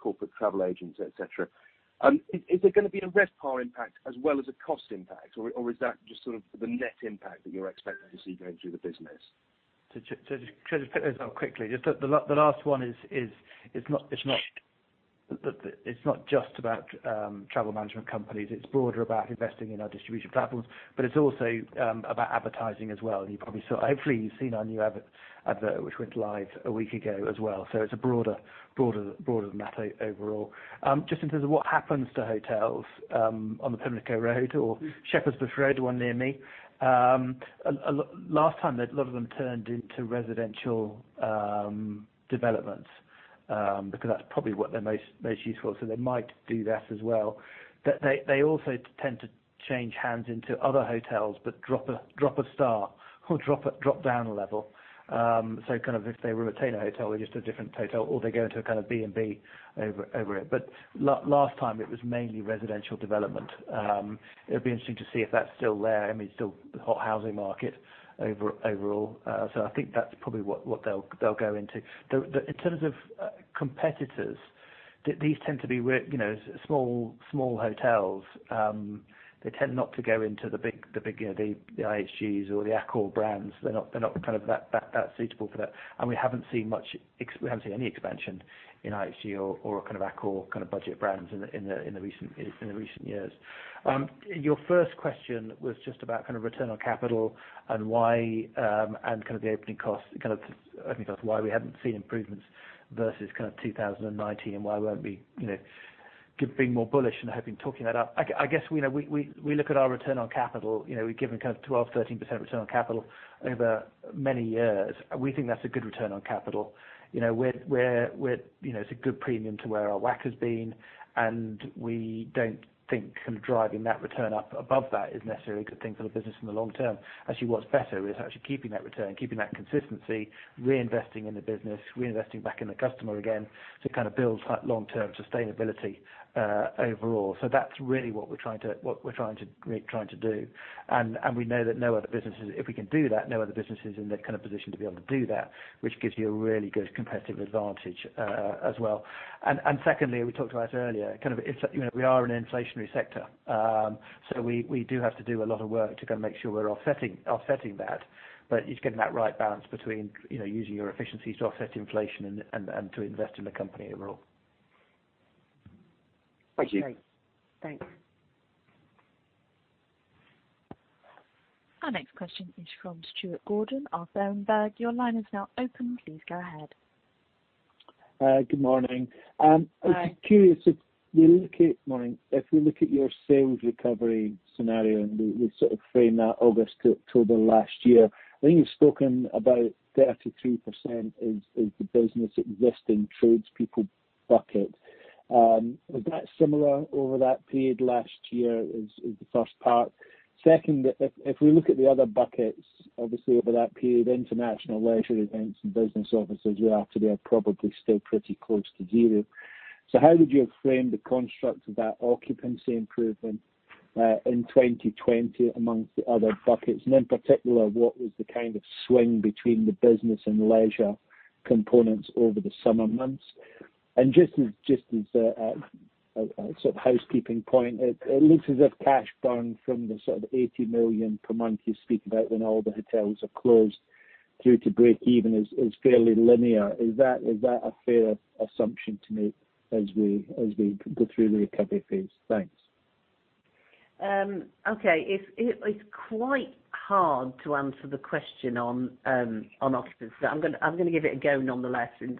corporate travel agents, et cetera. Is there going to be a RevPAR impact as well as a cost impact? Is that just the net impact that you're expecting to see going through the business? To just pick those up quickly. The last one it's not just about travel management companies. It's broader about investing in our distribution platforms, but it's also about advertising as well. Hopefully, you've seen our new advert, which went live a week ago as well. It's a broader matter overall. Just in terms of what happens to hotels on the Pimlico Road or Shepherd's Bush Road, one near me. Last time, a lot of them turned into residential developments, because that's probably what they're most useful. They might do that as well. They also tend to change hands into other hotels but drop a star or drop down a level. If they were a retainer hotel or just a different hotel, or they go into a B&B over it. Last time, it was mainly residential development. It'll be interesting to see if that's still there. It's still a hot housing market overall. I think that's probably what they'll go into. In terms of competitors, these tend to be small hotels. They tend not to go into the big IHG or the Accor brands. They're not that suitable for that. We haven't seen any expansion in IHG or Accor budget brands in the recent years. Your first question was just about return on capital and the opening costs, why we haven't seen improvements versus 2019, and why won't we being more bullish and have been talking that up. I guess, we look at our return on capital, we've given 12%, 13% return on capital over many years. We think that's a good return on capital. It's a good premium to where our WACC has been, and we don't think driving that return up above that is necessarily a good thing for the business in the long term. Actually, what's better is actually keeping that return, keeping that consistency, reinvesting in the business, reinvesting back in the customer again to build that long-term sustainability overall. That's really what we're trying to do. We know that if we can do that, no other business is in that kind of position to be able to do that, which gives you a really good competitive advantage as well. Secondly, we talked about it earlier, we are an inflationary sector. We do have to do a lot of work to make sure we're offsetting that. It's getting that right balance between using your efficiencies to offset inflation and to invest in the company overall. Thank you. Great. Thanks. Our next question is from Stuart Gordon of Berenberg. Your line is now open. Please go ahead. Good morning. Hi. Morning. If we look at your sales recovery scenario, and we frame that August to October last year, I think you've spoken about 33% is the business existing tradespeople bucket. Was that similar over that period last year is the first part. Second, if we look at the other buckets, obviously over that period, international leisure events and business offices, you have today are probably still pretty close to zero. How would you have framed the construct of that occupancy improvement, in 2020 amongst the other buckets, and in particular, what was the kind of swing between the business and leisure components over the summer months? Just as a sort of housekeeping point, it looks as if cash burn from the sort of 80 million per month you speak about when all the hotels are closed through to break even is fairly linear. Is that a fair assumption to make as we go through the recovery phase? Thanks. It's quite hard to answer the question on occupancy. I'm going to give it a go nonetheless and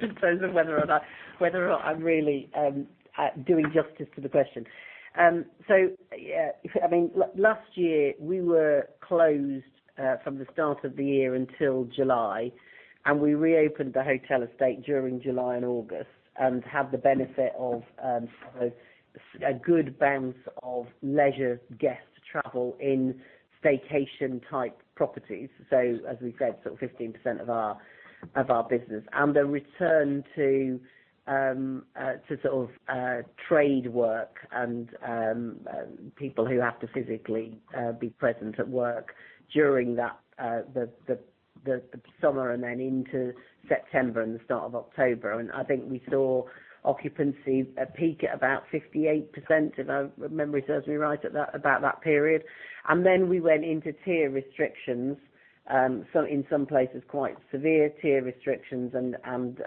judge myself whether or not I'm really doing justice to the question. Last year we were closed from the start of the year until July, and we reopened the hotel estate during July and August and had the benefit of a good bounce of leisure guest travel in staycation-type properties. As we've said, sort of 15% of our business. A return to sort of trade work and people who have to physically be present at work during the summer and then into September and the start of October. I think we saw occupancy peak at about 58%, if memory serves me right, at about that period. Then we went into tier restrictions. In some places, quite severe tier restrictions and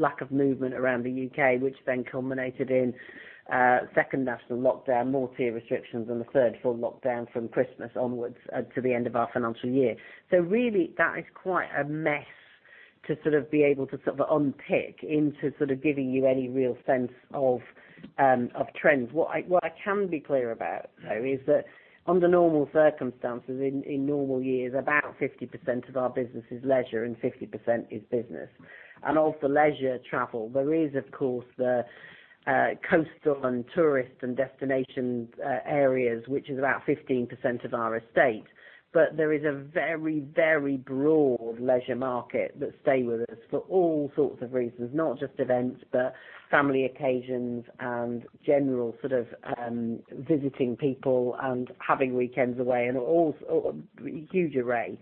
lack of movement around the U.K., which then culminated in a second national lockdown, more tier restrictions and the third full lockdown from Christmas onwards to the end of our financial year. Really that is quite a mess to sort of be able to sort of unpick into giving you any real sense of trends. What I can be clear about, though, is that under normal circumstances, in normal years, about 50% of our business is leisure and 50% is business. Of the leisure travel, there is of course the coastal and tourist and destination areas, which is about 15% of our estate. There is a very, very broad leisure market that stay with us for all sorts of reasons. Not just events, but family occasions and general sort of visiting people and having weekends away and all, a huge array.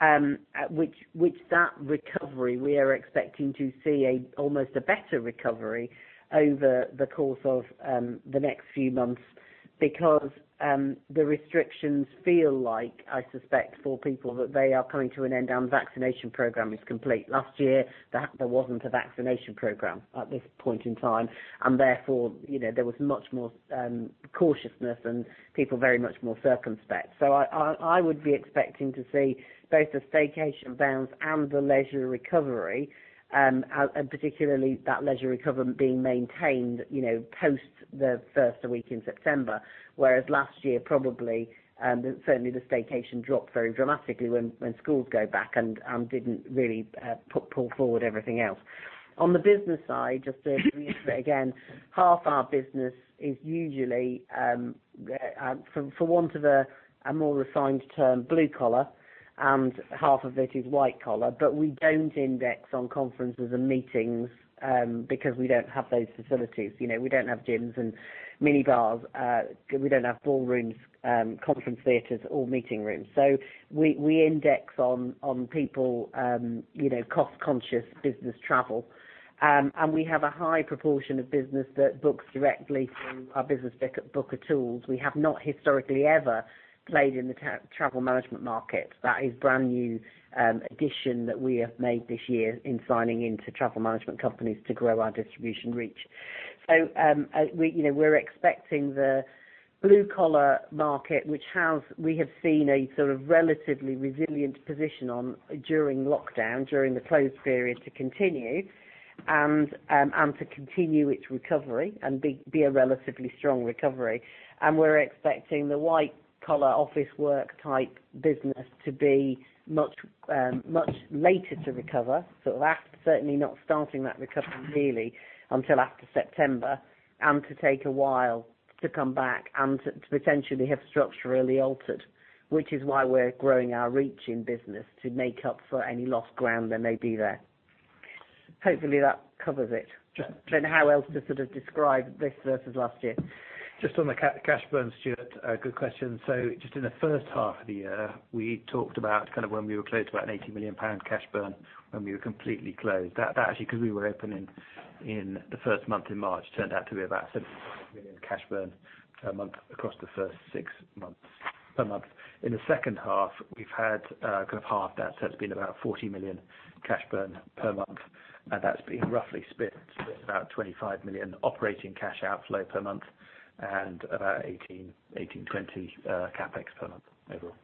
That recovery we are expecting to see almost a better recovery over the course of the next few months because the restrictions feel like, I suspect for people, that they are coming to an end. Our vaccination program is complete. Last year, there wasn't a vaccination program at this point in time, and therefore, there was much more cautiousness and people very much more circumspect. I would be expecting to see both the staycation bounce and the leisure recovery, and particularly that leisure recovery being maintained post the first week in September. Last year, probably, certainly the staycation dropped very dramatically when schools go back and didn't really pull forward everything else. On the business side, just to reiterate again, half our business is usually, for want of a more refined term, blue-collar, and half of it is white collar, but we don't index on conferences and meetings because we don't have those facilities. We don't have gyms and mini bars. We don't have ballrooms, conference theaters or meeting rooms. We index on people, cost-conscious business travel. We have a high proportion of business that books directly through our Business Booker tools. We have not historically ever played in the travel management market. That is a brand-new addition that we have made this year in signing into travel management companies to grow our distribution reach. We're expecting the blue-collar market, which we have seen a sort of relatively resilient position on during lockdown, during the closed period, to continue and to continue its recovery and be a relatively strong recovery. We're expecting the white collar office work type business to be much later to recover. Certainly not starting that recovery really until after September and to take a while to come back and to potentially have structurally altered, which is why we're growing our reach in business to make up for any lost ground that may be there. Hopefully, that covers it. Don't know how else to sort of describe this versus last year. Just on the cash burn, Stuart, good question. Just in the first half of the year, we talked about kind of when we were closed about a 80 million pound cash burn when we were completely closed. That actually, because we were opening in the first month in March, turned out to be about 75 million cash burn per month across the first six months. Per month. In the second half, we've had kind of half that, so it's been about 40 million cash burn per month, and that's been roughly split about 25 million operating cash outflow per month and about 18-20 CapEx per month overall.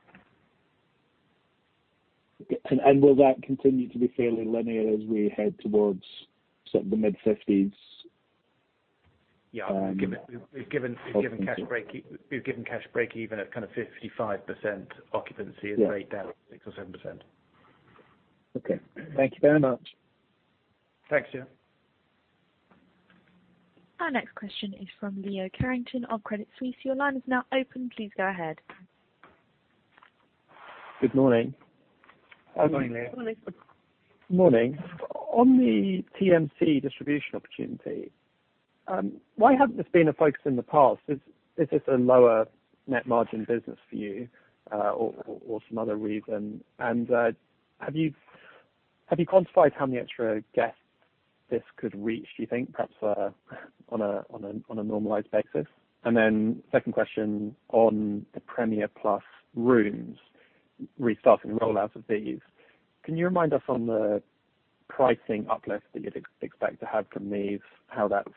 Will that continue to be fairly linear as we head towards sort of the mid-50s? Yeah. We've given cash break even at kind of 55% occupancy rate- Yeah ...down 6% or 7%. Okay. Thank you very much. Thanks, Stuart. Our next question is from Leo Carrington of Credit Suisse. Your line is now open. Please go ahead. Good morning. Good morning, Leo. Morning. Morning. On the TMC distribution opportunity, why hasn't this been a focus in the past? Is this a lower net margin business for you, or some other reason? Have you quantified how many extra guests this could reach, do you think, perhaps on a normalized basis? Second question on the Premier Plus rooms, restarting the rollout of these. Can you remind us on the pricing uplift that you'd expect to have from these, how that's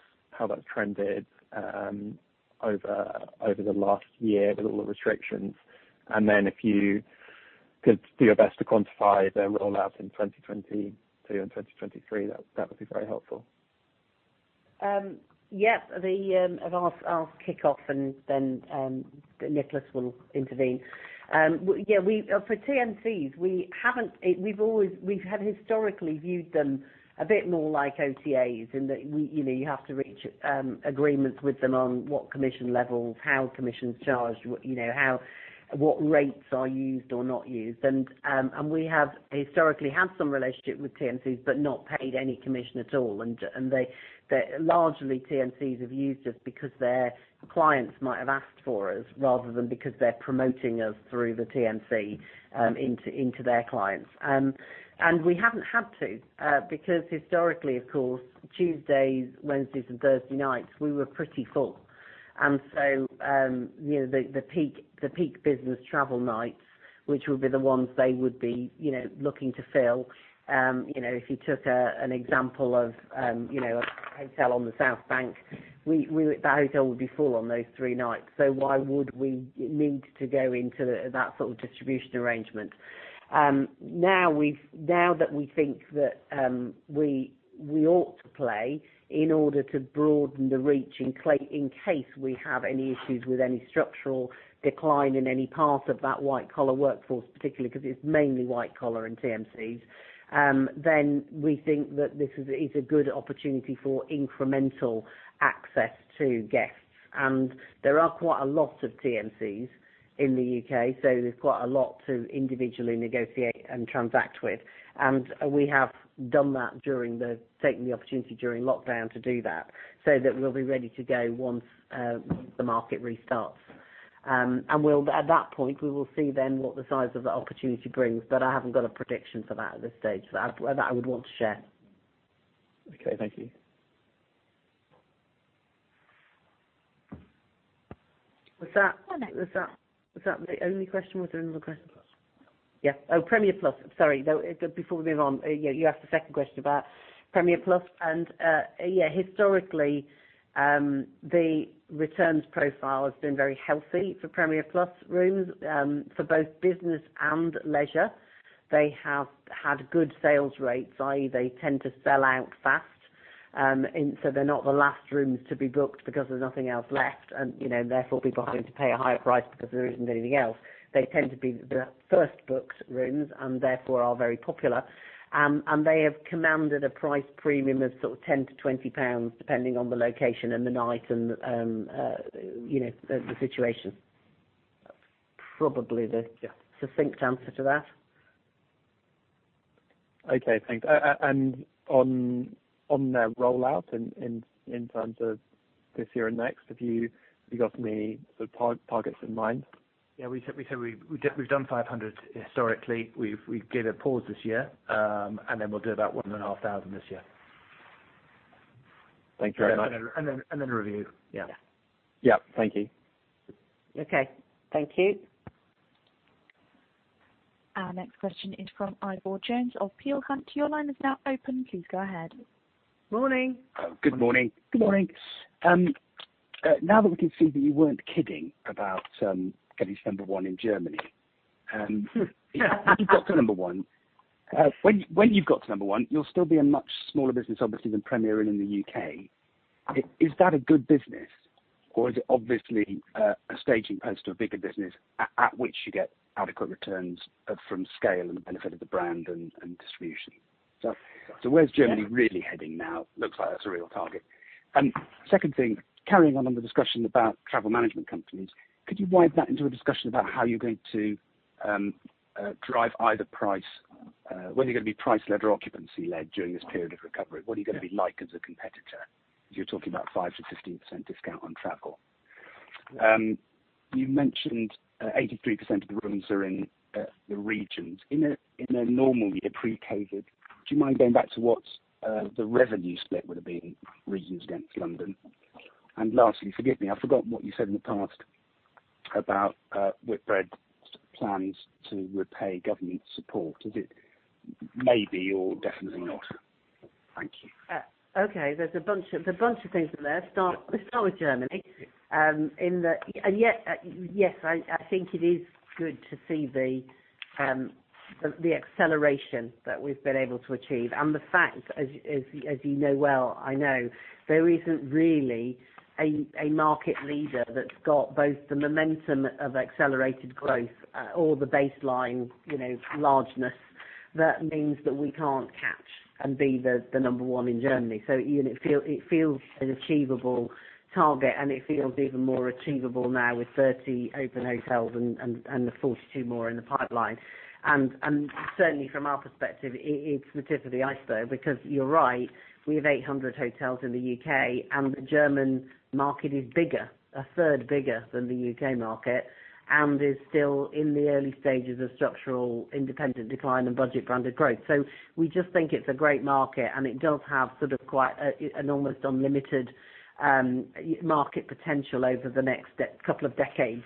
trended over the last year with all the restrictions? If you could do your best to quantify the rollout in 2022 and 2023, that would be very helpful. Yes. I'll kick off and then Nicholas will intervene. For TMCs, we've historically viewed them a bit more like OTAs in that you have to reach agreements with them on what commission levels, how commission's charged, what rates are used or not used. We have historically had some relationship with TMCs but not paid any commission at all. Largely, TMCs have used us because their clients might have asked for us, rather than because they're promoting us through the TMC into their clients. We haven't had to because historically, of course, Tuesdays, Wednesdays and Thursday nights, we were pretty full, the peak business travel nights, which would be the ones they would be looking to fill. If you took an example of a hotel on the South Bank, that hotel would be full on those three nights. Why would we need to go into that sort of distribution arrangement? Now that we think that we ought to play in order to broaden the reach in case we have any issues with any structural decline in any part of that white-collar workforce, particularly because it's mainly white-collar and TMCs, we think that this is a good opportunity for incremental access to guests. There are quite a lot of TMCs in the U.K. There's quite a lot to individually negotiate and transact with. We have taken the opportunity during lockdown to do that. We'll be ready to go once the market restarts. At that point, we will see then what the size of the opportunity brings. I haven't got a prediction for that at this stage that I would want to share. Okay, thank you. Was that the only question? Was there another question? Premier Plus. Yeah. Oh, Premier Plus. Sorry, before we move on, you asked a second question about Premier Plus. Historically, the returns profile has been very healthy for Premier Plus rooms for both business and leisure. They have had good sales rates, i.e., they tend to sell out fast. They're not the last rooms to be booked because there's nothing else left and therefore people having to pay a higher price because there isn't anything else. They tend to be the first booked rooms and therefore are very popular. They have commanded a price premium of sort of 10-20 pounds, depending on the location and the night and the situation. Probably the succinct answer to that. Okay, thanks. On their rollout in terms of this year and next, have you got any targets in mind? Yeah, we said we've done 500 historically. We gave it pause this year, and then we'll do about 1,500 this year. Thanks very much. Review. Yeah. Yeah. Thank you. Okay. Thank you. Our next question is from Ivor Jones of Peel Hunt. Your line is now open. Please go ahead. Morning. Good morning. Now that we can see that you weren't kidding about getting to number 1 in Germany. Yeah When you've got to number 1, you'll still be a much smaller business, obviously, than Premier Inn in the U.K. Is that a good business or is it obviously a staging post to a bigger business at which you get adequate returns from scale and the benefit of the brand and distribution? Where's Germany really heading now? Looks like that's a real target. Second thing, carrying on the discussion about Travel Management Companies, could you wind that into a discussion about how you're going to drive whether you're going to be price-led or occupancy-led during this period of recovery? What are you going to be like as a competitor? You're talking about 5%-15% discount on travel. You mentioned 83% of the rooms are in the regions. In a normal year, pre-COVID, do you mind going back to what the revenue split would have been, regions against London? Lastly, forgive me, I've forgotten what you said in the past about Whitbread's plans to repay government support. Is it maybe or definitely not? Thank you. There's a bunch of things in there. Let's start with Germany. I think it is good to see the acceleration that we've been able to achieve and the fact, as you know well I know, there isn't really a market leader that's got both the momentum of accelerated growth or the baseline largeness that means that we can't catch and be the number 1 in Germany. It feels an achievable target, and it feels even more achievable now with 30 open hotels and the 42 more in the pipeline. Certainly from our perspective, it's the tip of the iceberg, because you're right, we have 800 hotels in the U.K., and the German market is bigger, a third bigger than the U.K. market, and is still in the early stages of structural independent decline and budget-branded growth. We just think it's a great market, and it does have sort of quite an almost unlimited market potential over the next couple of decades.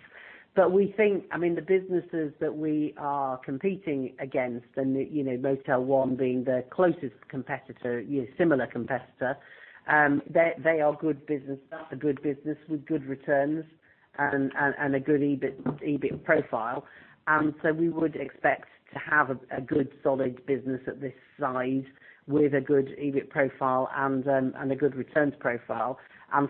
We think, the businesses that we are competing against and, Motel One being the closest competitor, similar competitor, they are good business. That's a good business with good returns and a good EBIT profile. We would expect to have a good, solid business at this size with a good EBIT profile and a good returns profile.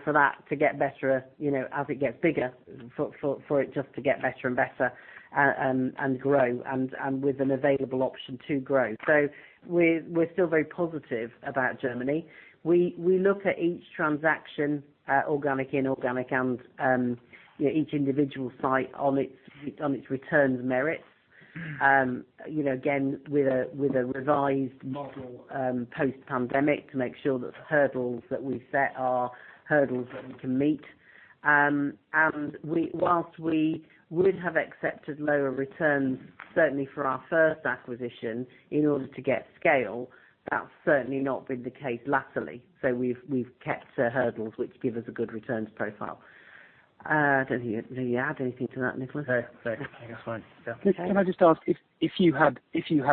For that to get better as it gets bigger, for it just to get better and better and grow and with an available option to grow. We're still very positive about Germany. We look at each transaction, organic, inorganic, and each individual site on its returns merits. Again, with a revised model, post-pandemic, to make sure that the hurdles that we set are hurdles that we can meet. Whilst we would have accepted lower returns, certainly for our first acquisition, in order to get scale, that's certainly not been the case latterly. We've kept to hurdles which give us a good returns profile. I don't know, do you add anything to that, Nicholas? No. I think that's fine. Yeah. Okay. Nick, can I just ask, if you had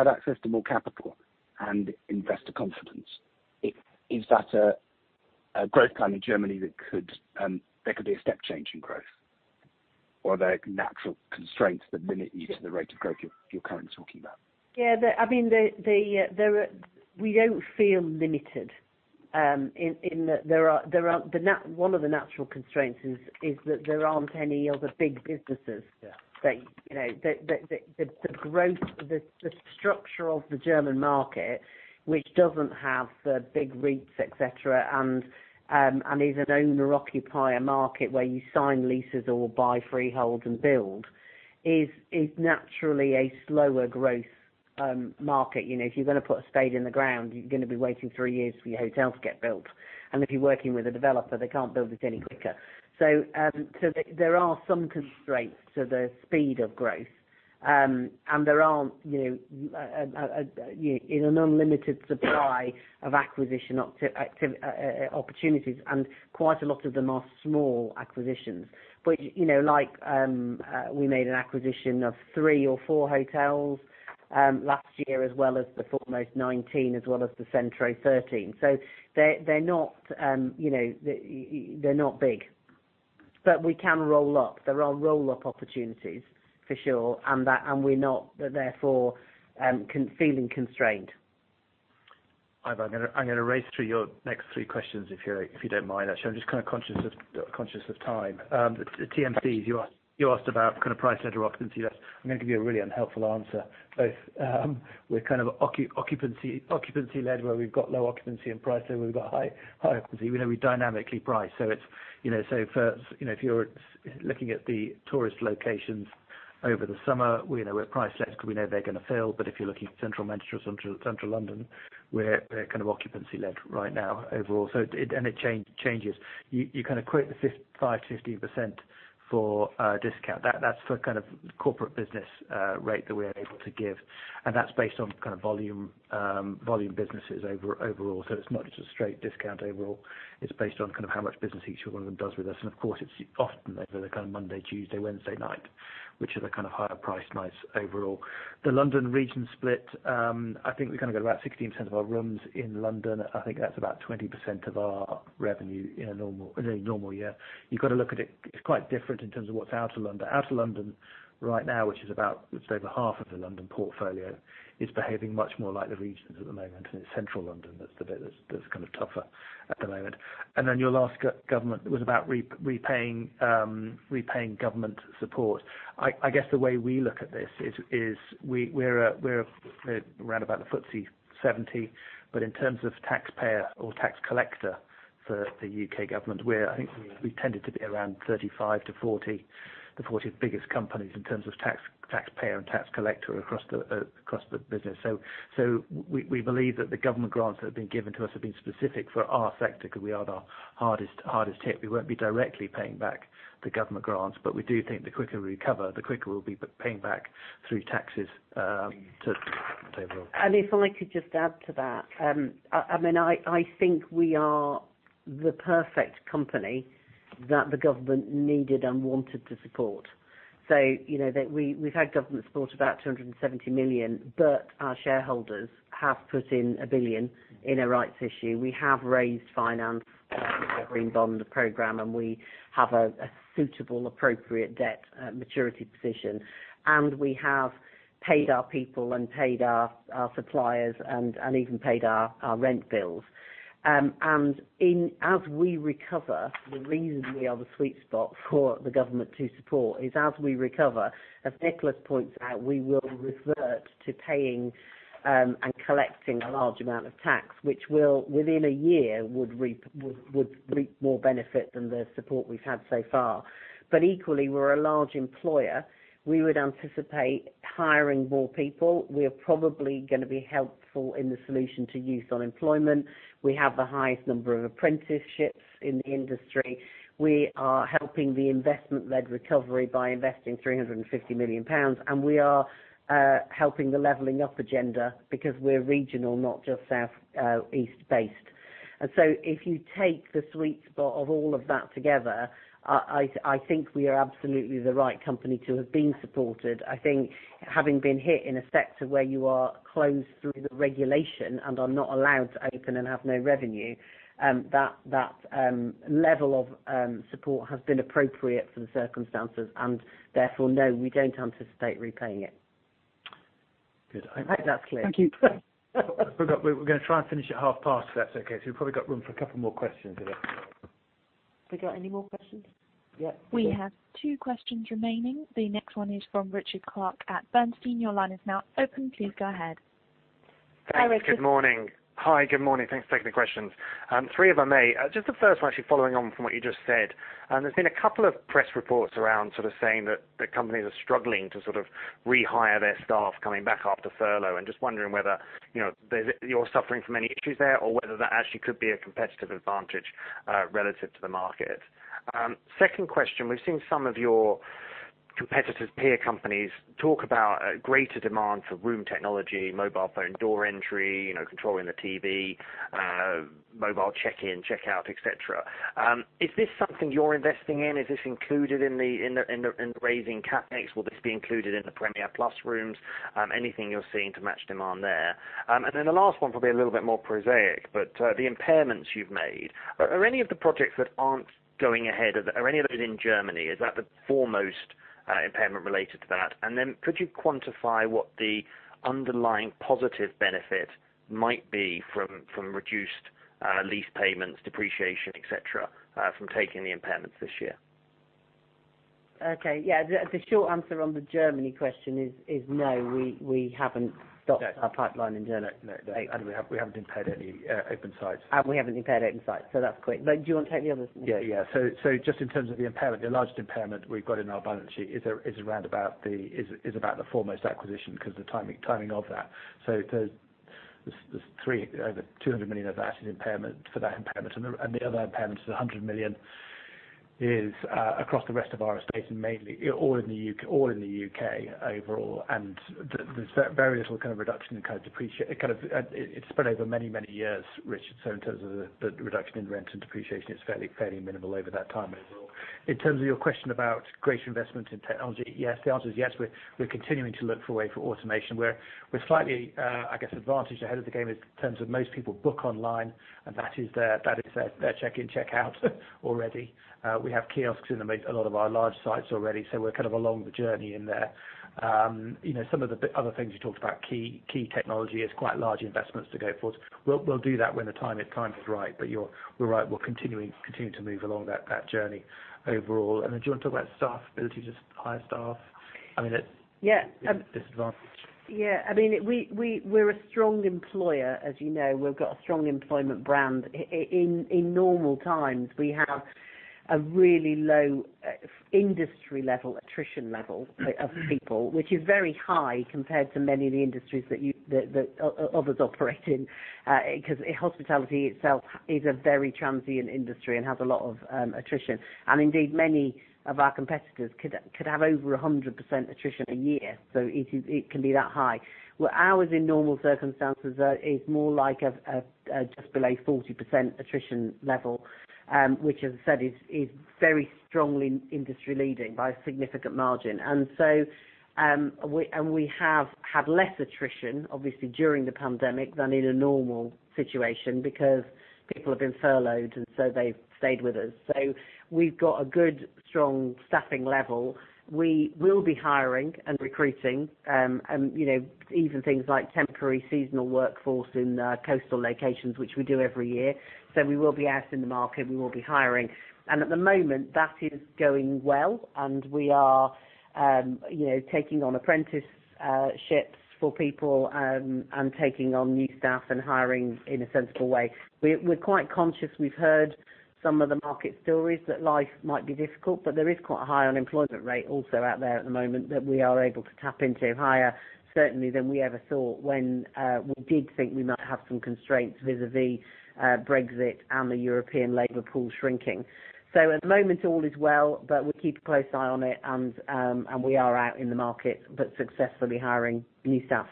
access to more capital and investor confidence, is that a growth plan in Germany that there could be a step change in growth? Are there natural constraints that limit you to the rate of growth you're currently talking about? Yeah. We don't feel limited in that one of the natural constraints is that there aren't any other big businesses. Yeah. The structure of the German market, which doesn't have the big REITs, et cetera, and is an owner-occupier market where you sign leases or buy freehold and build, is naturally a slower growth market. If you're going to put a spade in the ground, you're going to be waiting three years for your hotels to get built. If you're working with a developer, they can't build it any quicker. There are some constraints to the speed of growth. There aren't an unlimited supply of acquisition opportunities, and quite a lot of them are small acquisitions. Which, like, we made an acquisition of three or four hotels last year, as well as the Foremost 19, as well as the Centro 13. They're not big. We can roll up. There are roll-up opportunities, for sure, and we're not therefore feeling constrained. I'm going to race through your next three questions if you don't mind, actually. I'm just kind of conscious of time. The TMCs you asked about, kind of price-led or occupancy-led. I'm going to give you a really unhelpful answer, both. We're kind of occupancy-led where we've got low occupancy and price-led where we've got high occupancy. We know we dynamically price. If you're looking at the tourist locations over the summer, we're price-led because we know they're going to fill. If you're looking at central Manchester or central London, we're kind of occupancy-led right now overall. It changes. You kind of quote the 5%-15% for a discount. That's the kind of corporate business rate that we're able to give, that's based on volume businesses overall. It's not just a straight discount overall. It's based on how much business each one of them does with us. Of course, it's often the kind of Monday, Tuesday, Wednesday night, which are the kind of higher priced nights overall. The London region split, I think we've kind of got about 16% of our rooms in London. I think that's about 20% of our revenue in a normal year. You've got to look at it's quite different in terms of what's out of London. Out of London right now, which is about, let's say over half of the London portfolio, is behaving much more like the regions at the moment, and it's central London that's the bit that's kind of tougher at the moment. Then your last, government, was about repaying government support. I guess the way we look at this is we're around about the FTSE 70, in terms of taxpayer or tax collector for the U.K. government, I think we tended to be around 35-40, the 40 biggest companies in terms of taxpayer and tax collector across the business. We believe that the government grants that have been given to us have been specific for our sector because we are the hardest hit. We won't be directly paying back the government grants, we do think the quicker we recover, the quicker we'll be paying back through taxes to the table. If I could just add to that. I think we are the perfect company that the government needed and wanted to support. We've had government support about 270 million, but our shareholders have put in 1 billion in a rights issue. We have raised finance-Green bond program and we have a suitable, appropriate debt maturity position. We have paid our people and paid our suppliers and even paid our rent bills. As we recover, the reason we are the sweet spot for the government to support is as we recover, as Nicholas points out, we will revert to paying and collecting a large amount of tax, which will, within a year, would reap more benefit than the support we've had so far. Equally, we're a large employer. We would anticipate hiring more people. We are probably going to be helpful in the solution to youth unemployment. We have the highest number of apprenticeships in the industry. We are helping the investment-led recovery by investing 350 million pounds. We are helping the Leveling Up agenda because we're regional, not just Southeast-based. If you take the sweet spot of all of that together, I think we are absolutely the right company to have been supported. I think having been hit in a sector where you are closed through the regulation and are not allowed to open and have no revenue, that level of support has been appropriate for the circumstances and therefore, no, we don't anticipate repaying it. Good. I hope that's clear. Thank you. We're going to try and finish at half past, if that's okay. We've probably got room for a couple more questions if there are more. Have we got any more questions? Yeah. We have two questions remaining. The next one is from Richard Clarke at Bernstein. Your line is now open. Please go ahead. Hi, Richard. Thanks. Good morning. Hi, good morning. Thanks for taking the questions. Three if I may. Just the first one, actually following on from what you just said. There's been a couple of press reports around sort of saying that companies are struggling to sort of rehire their staff coming back after furlough, and just wondering whether you're suffering from any issues there or whether that actually could be a competitive advantage relative to the market. Second question, we've seen some of your competitors, peer companies, talk about a greater demand for room technology, mobile phone, door entry, controlling the TV, mobile check-in, checkout, et cetera. Is this something you're investing in? Is this included in raising CapEx? Will this be included in the Premier Plus rooms? Anything you're seeing to match demand there. The last one will be a little bit more prosaic, but the impairments you've made. Are any of the projects that aren't going ahead, are any of those in Germany? Is that the Foremost impairment related to that? Could you quantify what the underlying positive benefit might be from reduced lease payments, depreciation, et cetera, from taking the impairments this year? Okay. Yeah. The short answer on the Germany question is no, we haven't stopped our pipeline in Germany. No. We haven't impaired any open sites. We haven't impaired open sites, so that's quick. Do you want to take the others, Nick? Yeah. Just in terms of the impairment, the largest impairment we've got in our balance sheet is about the Foremost acquisition because the timing of that. There's 200 million of that is impairment for that impairment and the other impairment is 100 million is across the rest of our estate and mainly all in the U.K. overall. There's very little kind of reduction in kind of depreciation. It's spread over many, many years, Richard. In terms of the reduction in rent and depreciation, it's fairly minimal over that time overall. In terms of your question about greater investment in technology, yes. The answer is yes. We're continuing to look for a way for automation. We're slightly, I guess, advantaged ahead of the game in terms of most people book online, and that is their check-in, check-out already. We have kiosks in a lot of our large sites already. We're kind of along the journey in there. Some of the other things you talked about, key technology is quite large investments to go forward. We'll do that when the time is right. You're right, we're continuing to move along that journey overall. Do you want to talk about staff ability to hire staff- Yeah. ...disadvantage? Yeah. I mean, we're a strong employer, as you know. We've got a strong employment brand. In normal times, we have a really low industry-level attrition level of people, which is very high compared to many of the industries that others operate in because hospitality itself is a very transient industry and has a lot of attrition. Indeed, many of our competitors could have over 100% attrition a year. It can be that high, where ours in normal circumstances is more like just below 40% attrition level, which as I said, is very strongly industry leading by a significant margin. We have had less attrition, obviously, during the pandemic than in a normal situation because people have been furloughed, they've stayed with us. We've got a good, strong staffing level. We will be hiring and recruiting, even things like temporary seasonal workforce in coastal locations, which we do every year. We will be out in the market and we will be hiring. At the moment, that is going well and we are taking on apprenticeships for people and taking on new staff and hiring in a sensible way. We're quite conscious. We've heard some of the market stories that life might be difficult, but there is quite a high unemployment rate also out there at the moment that we are able to tap into, higher certainly than we ever thought when we did think we might have some constraints vis-a-vis Brexit and the European labor pool shrinking. At the moment, all is well, but we keep a close eye on it and we are out in the market but successfully hiring new staff.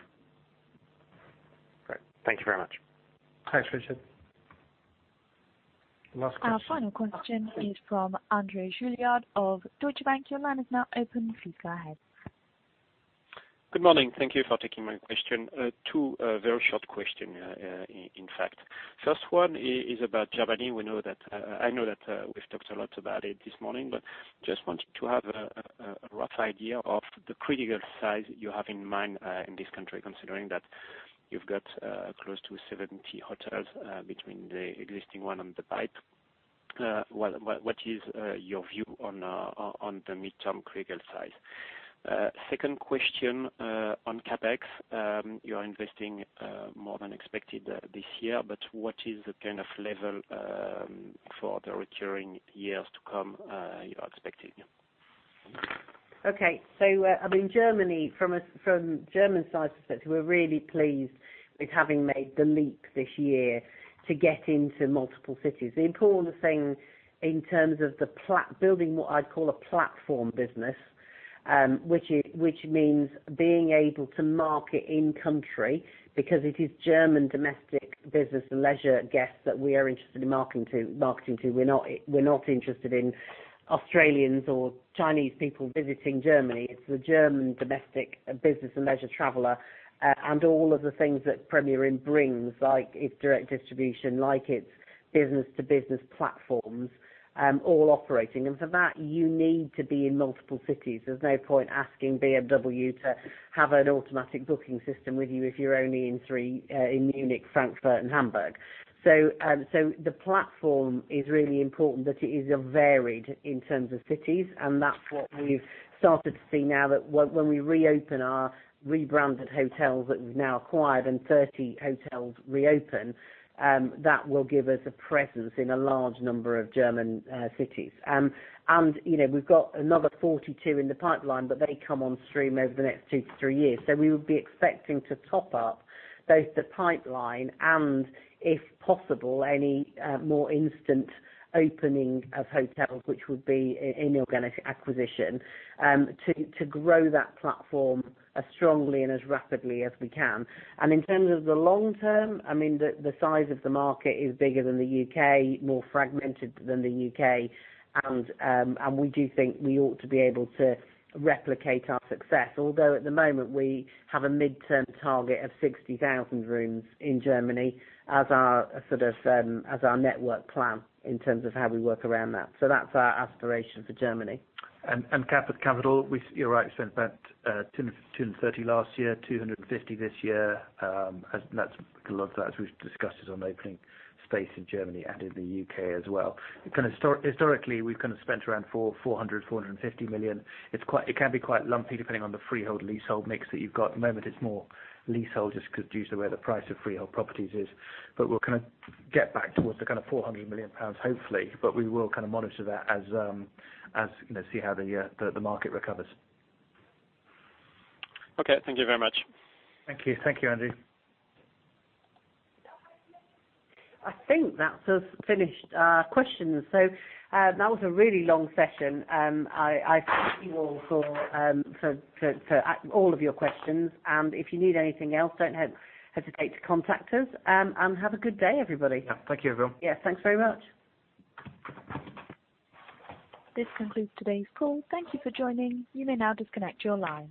Great. Thank you very much. Thanks, Richard. Last question. Our final question is from André Juillard of Deutsche Bank. Your line is now open. Please go ahead. Good morning. Thank you for taking my question. Two very short question, in fact. First one is about Germany. I know that we've talked a lot about it this morning, just wanted to have a rough idea of the critical size you have in mind in this country, considering that you've got close to 70 hotels between the existing one and the pipe. What is your view on the midterm critical size? Second question on CapEx. You're investing more than expected this year, what is the kind of level for the recurring years to come you're expecting? Okay. Germany, from German side of things, we're really pleased with having made the leap this year to get into multiple cities. The important thing in terms of building what I'd call a platform business, which means being able to market in country because it is German domestic business and leisure guests that we are interested in marketing to. We're not interested in Australians or Chinese people visiting Germany. It's the German domestic business and leisure traveler, all of the things that Premier Inn brings, like its direct distribution, like its business-to-business platforms, all operating. For that, you need to be in multiple cities. There's no point asking BMW to have an automatic booking system with you if you're only in three, in Munich, Frankfurt, and Hamburg. The platform is really important that it is varied in terms of cities, and that's what we've started to see now that when we reopen our rebranded hotels that we've now acquired and 30 hotels reopen, that will give us a presence in a large number of German cities. We've got another 42 in the pipeline, but they come on stream over the next two to three years. We would be expecting to top up both the pipeline and, if possible, any more instant opening of hotels, which would be an inorganic acquisition, to grow that platform as strongly and as rapidly as we can. In terms of the long term, the size of the market is bigger than the U.K., more fragmented than the U.K. We do think we ought to be able to replicate our success. Although at the moment we have a midterm target of 60,000 rooms in Germany as our network plan in terms of how we work around that. That's our aspiration for Germany. Capital, you're right, spent 230 million last year, 250 million this year. A lot of that as we've discussed is on opening space in Germany and in the U.K. as well. Historically, we've spent around 400 million, 450 million. It can be quite lumpy depending on the freehold/leasehold mix that you've got. At the moment, it's more leasehold, just because due to where the price of freehold properties is. We'll get back towards the 400 million pounds, hopefully. We will monitor that as we see how the market recovers. Okay. Thank you very much. Thank you, André. I think that's us finished our questions. That was a really long session. I thank you all for all of your questions. If you need anything else, don't hesitate to contact us. Have a good day, everybody. Yeah. Thank you, everyone. Yes. Thanks very much. This concludes today's call. Thank you for joining. You may now disconnect your lines.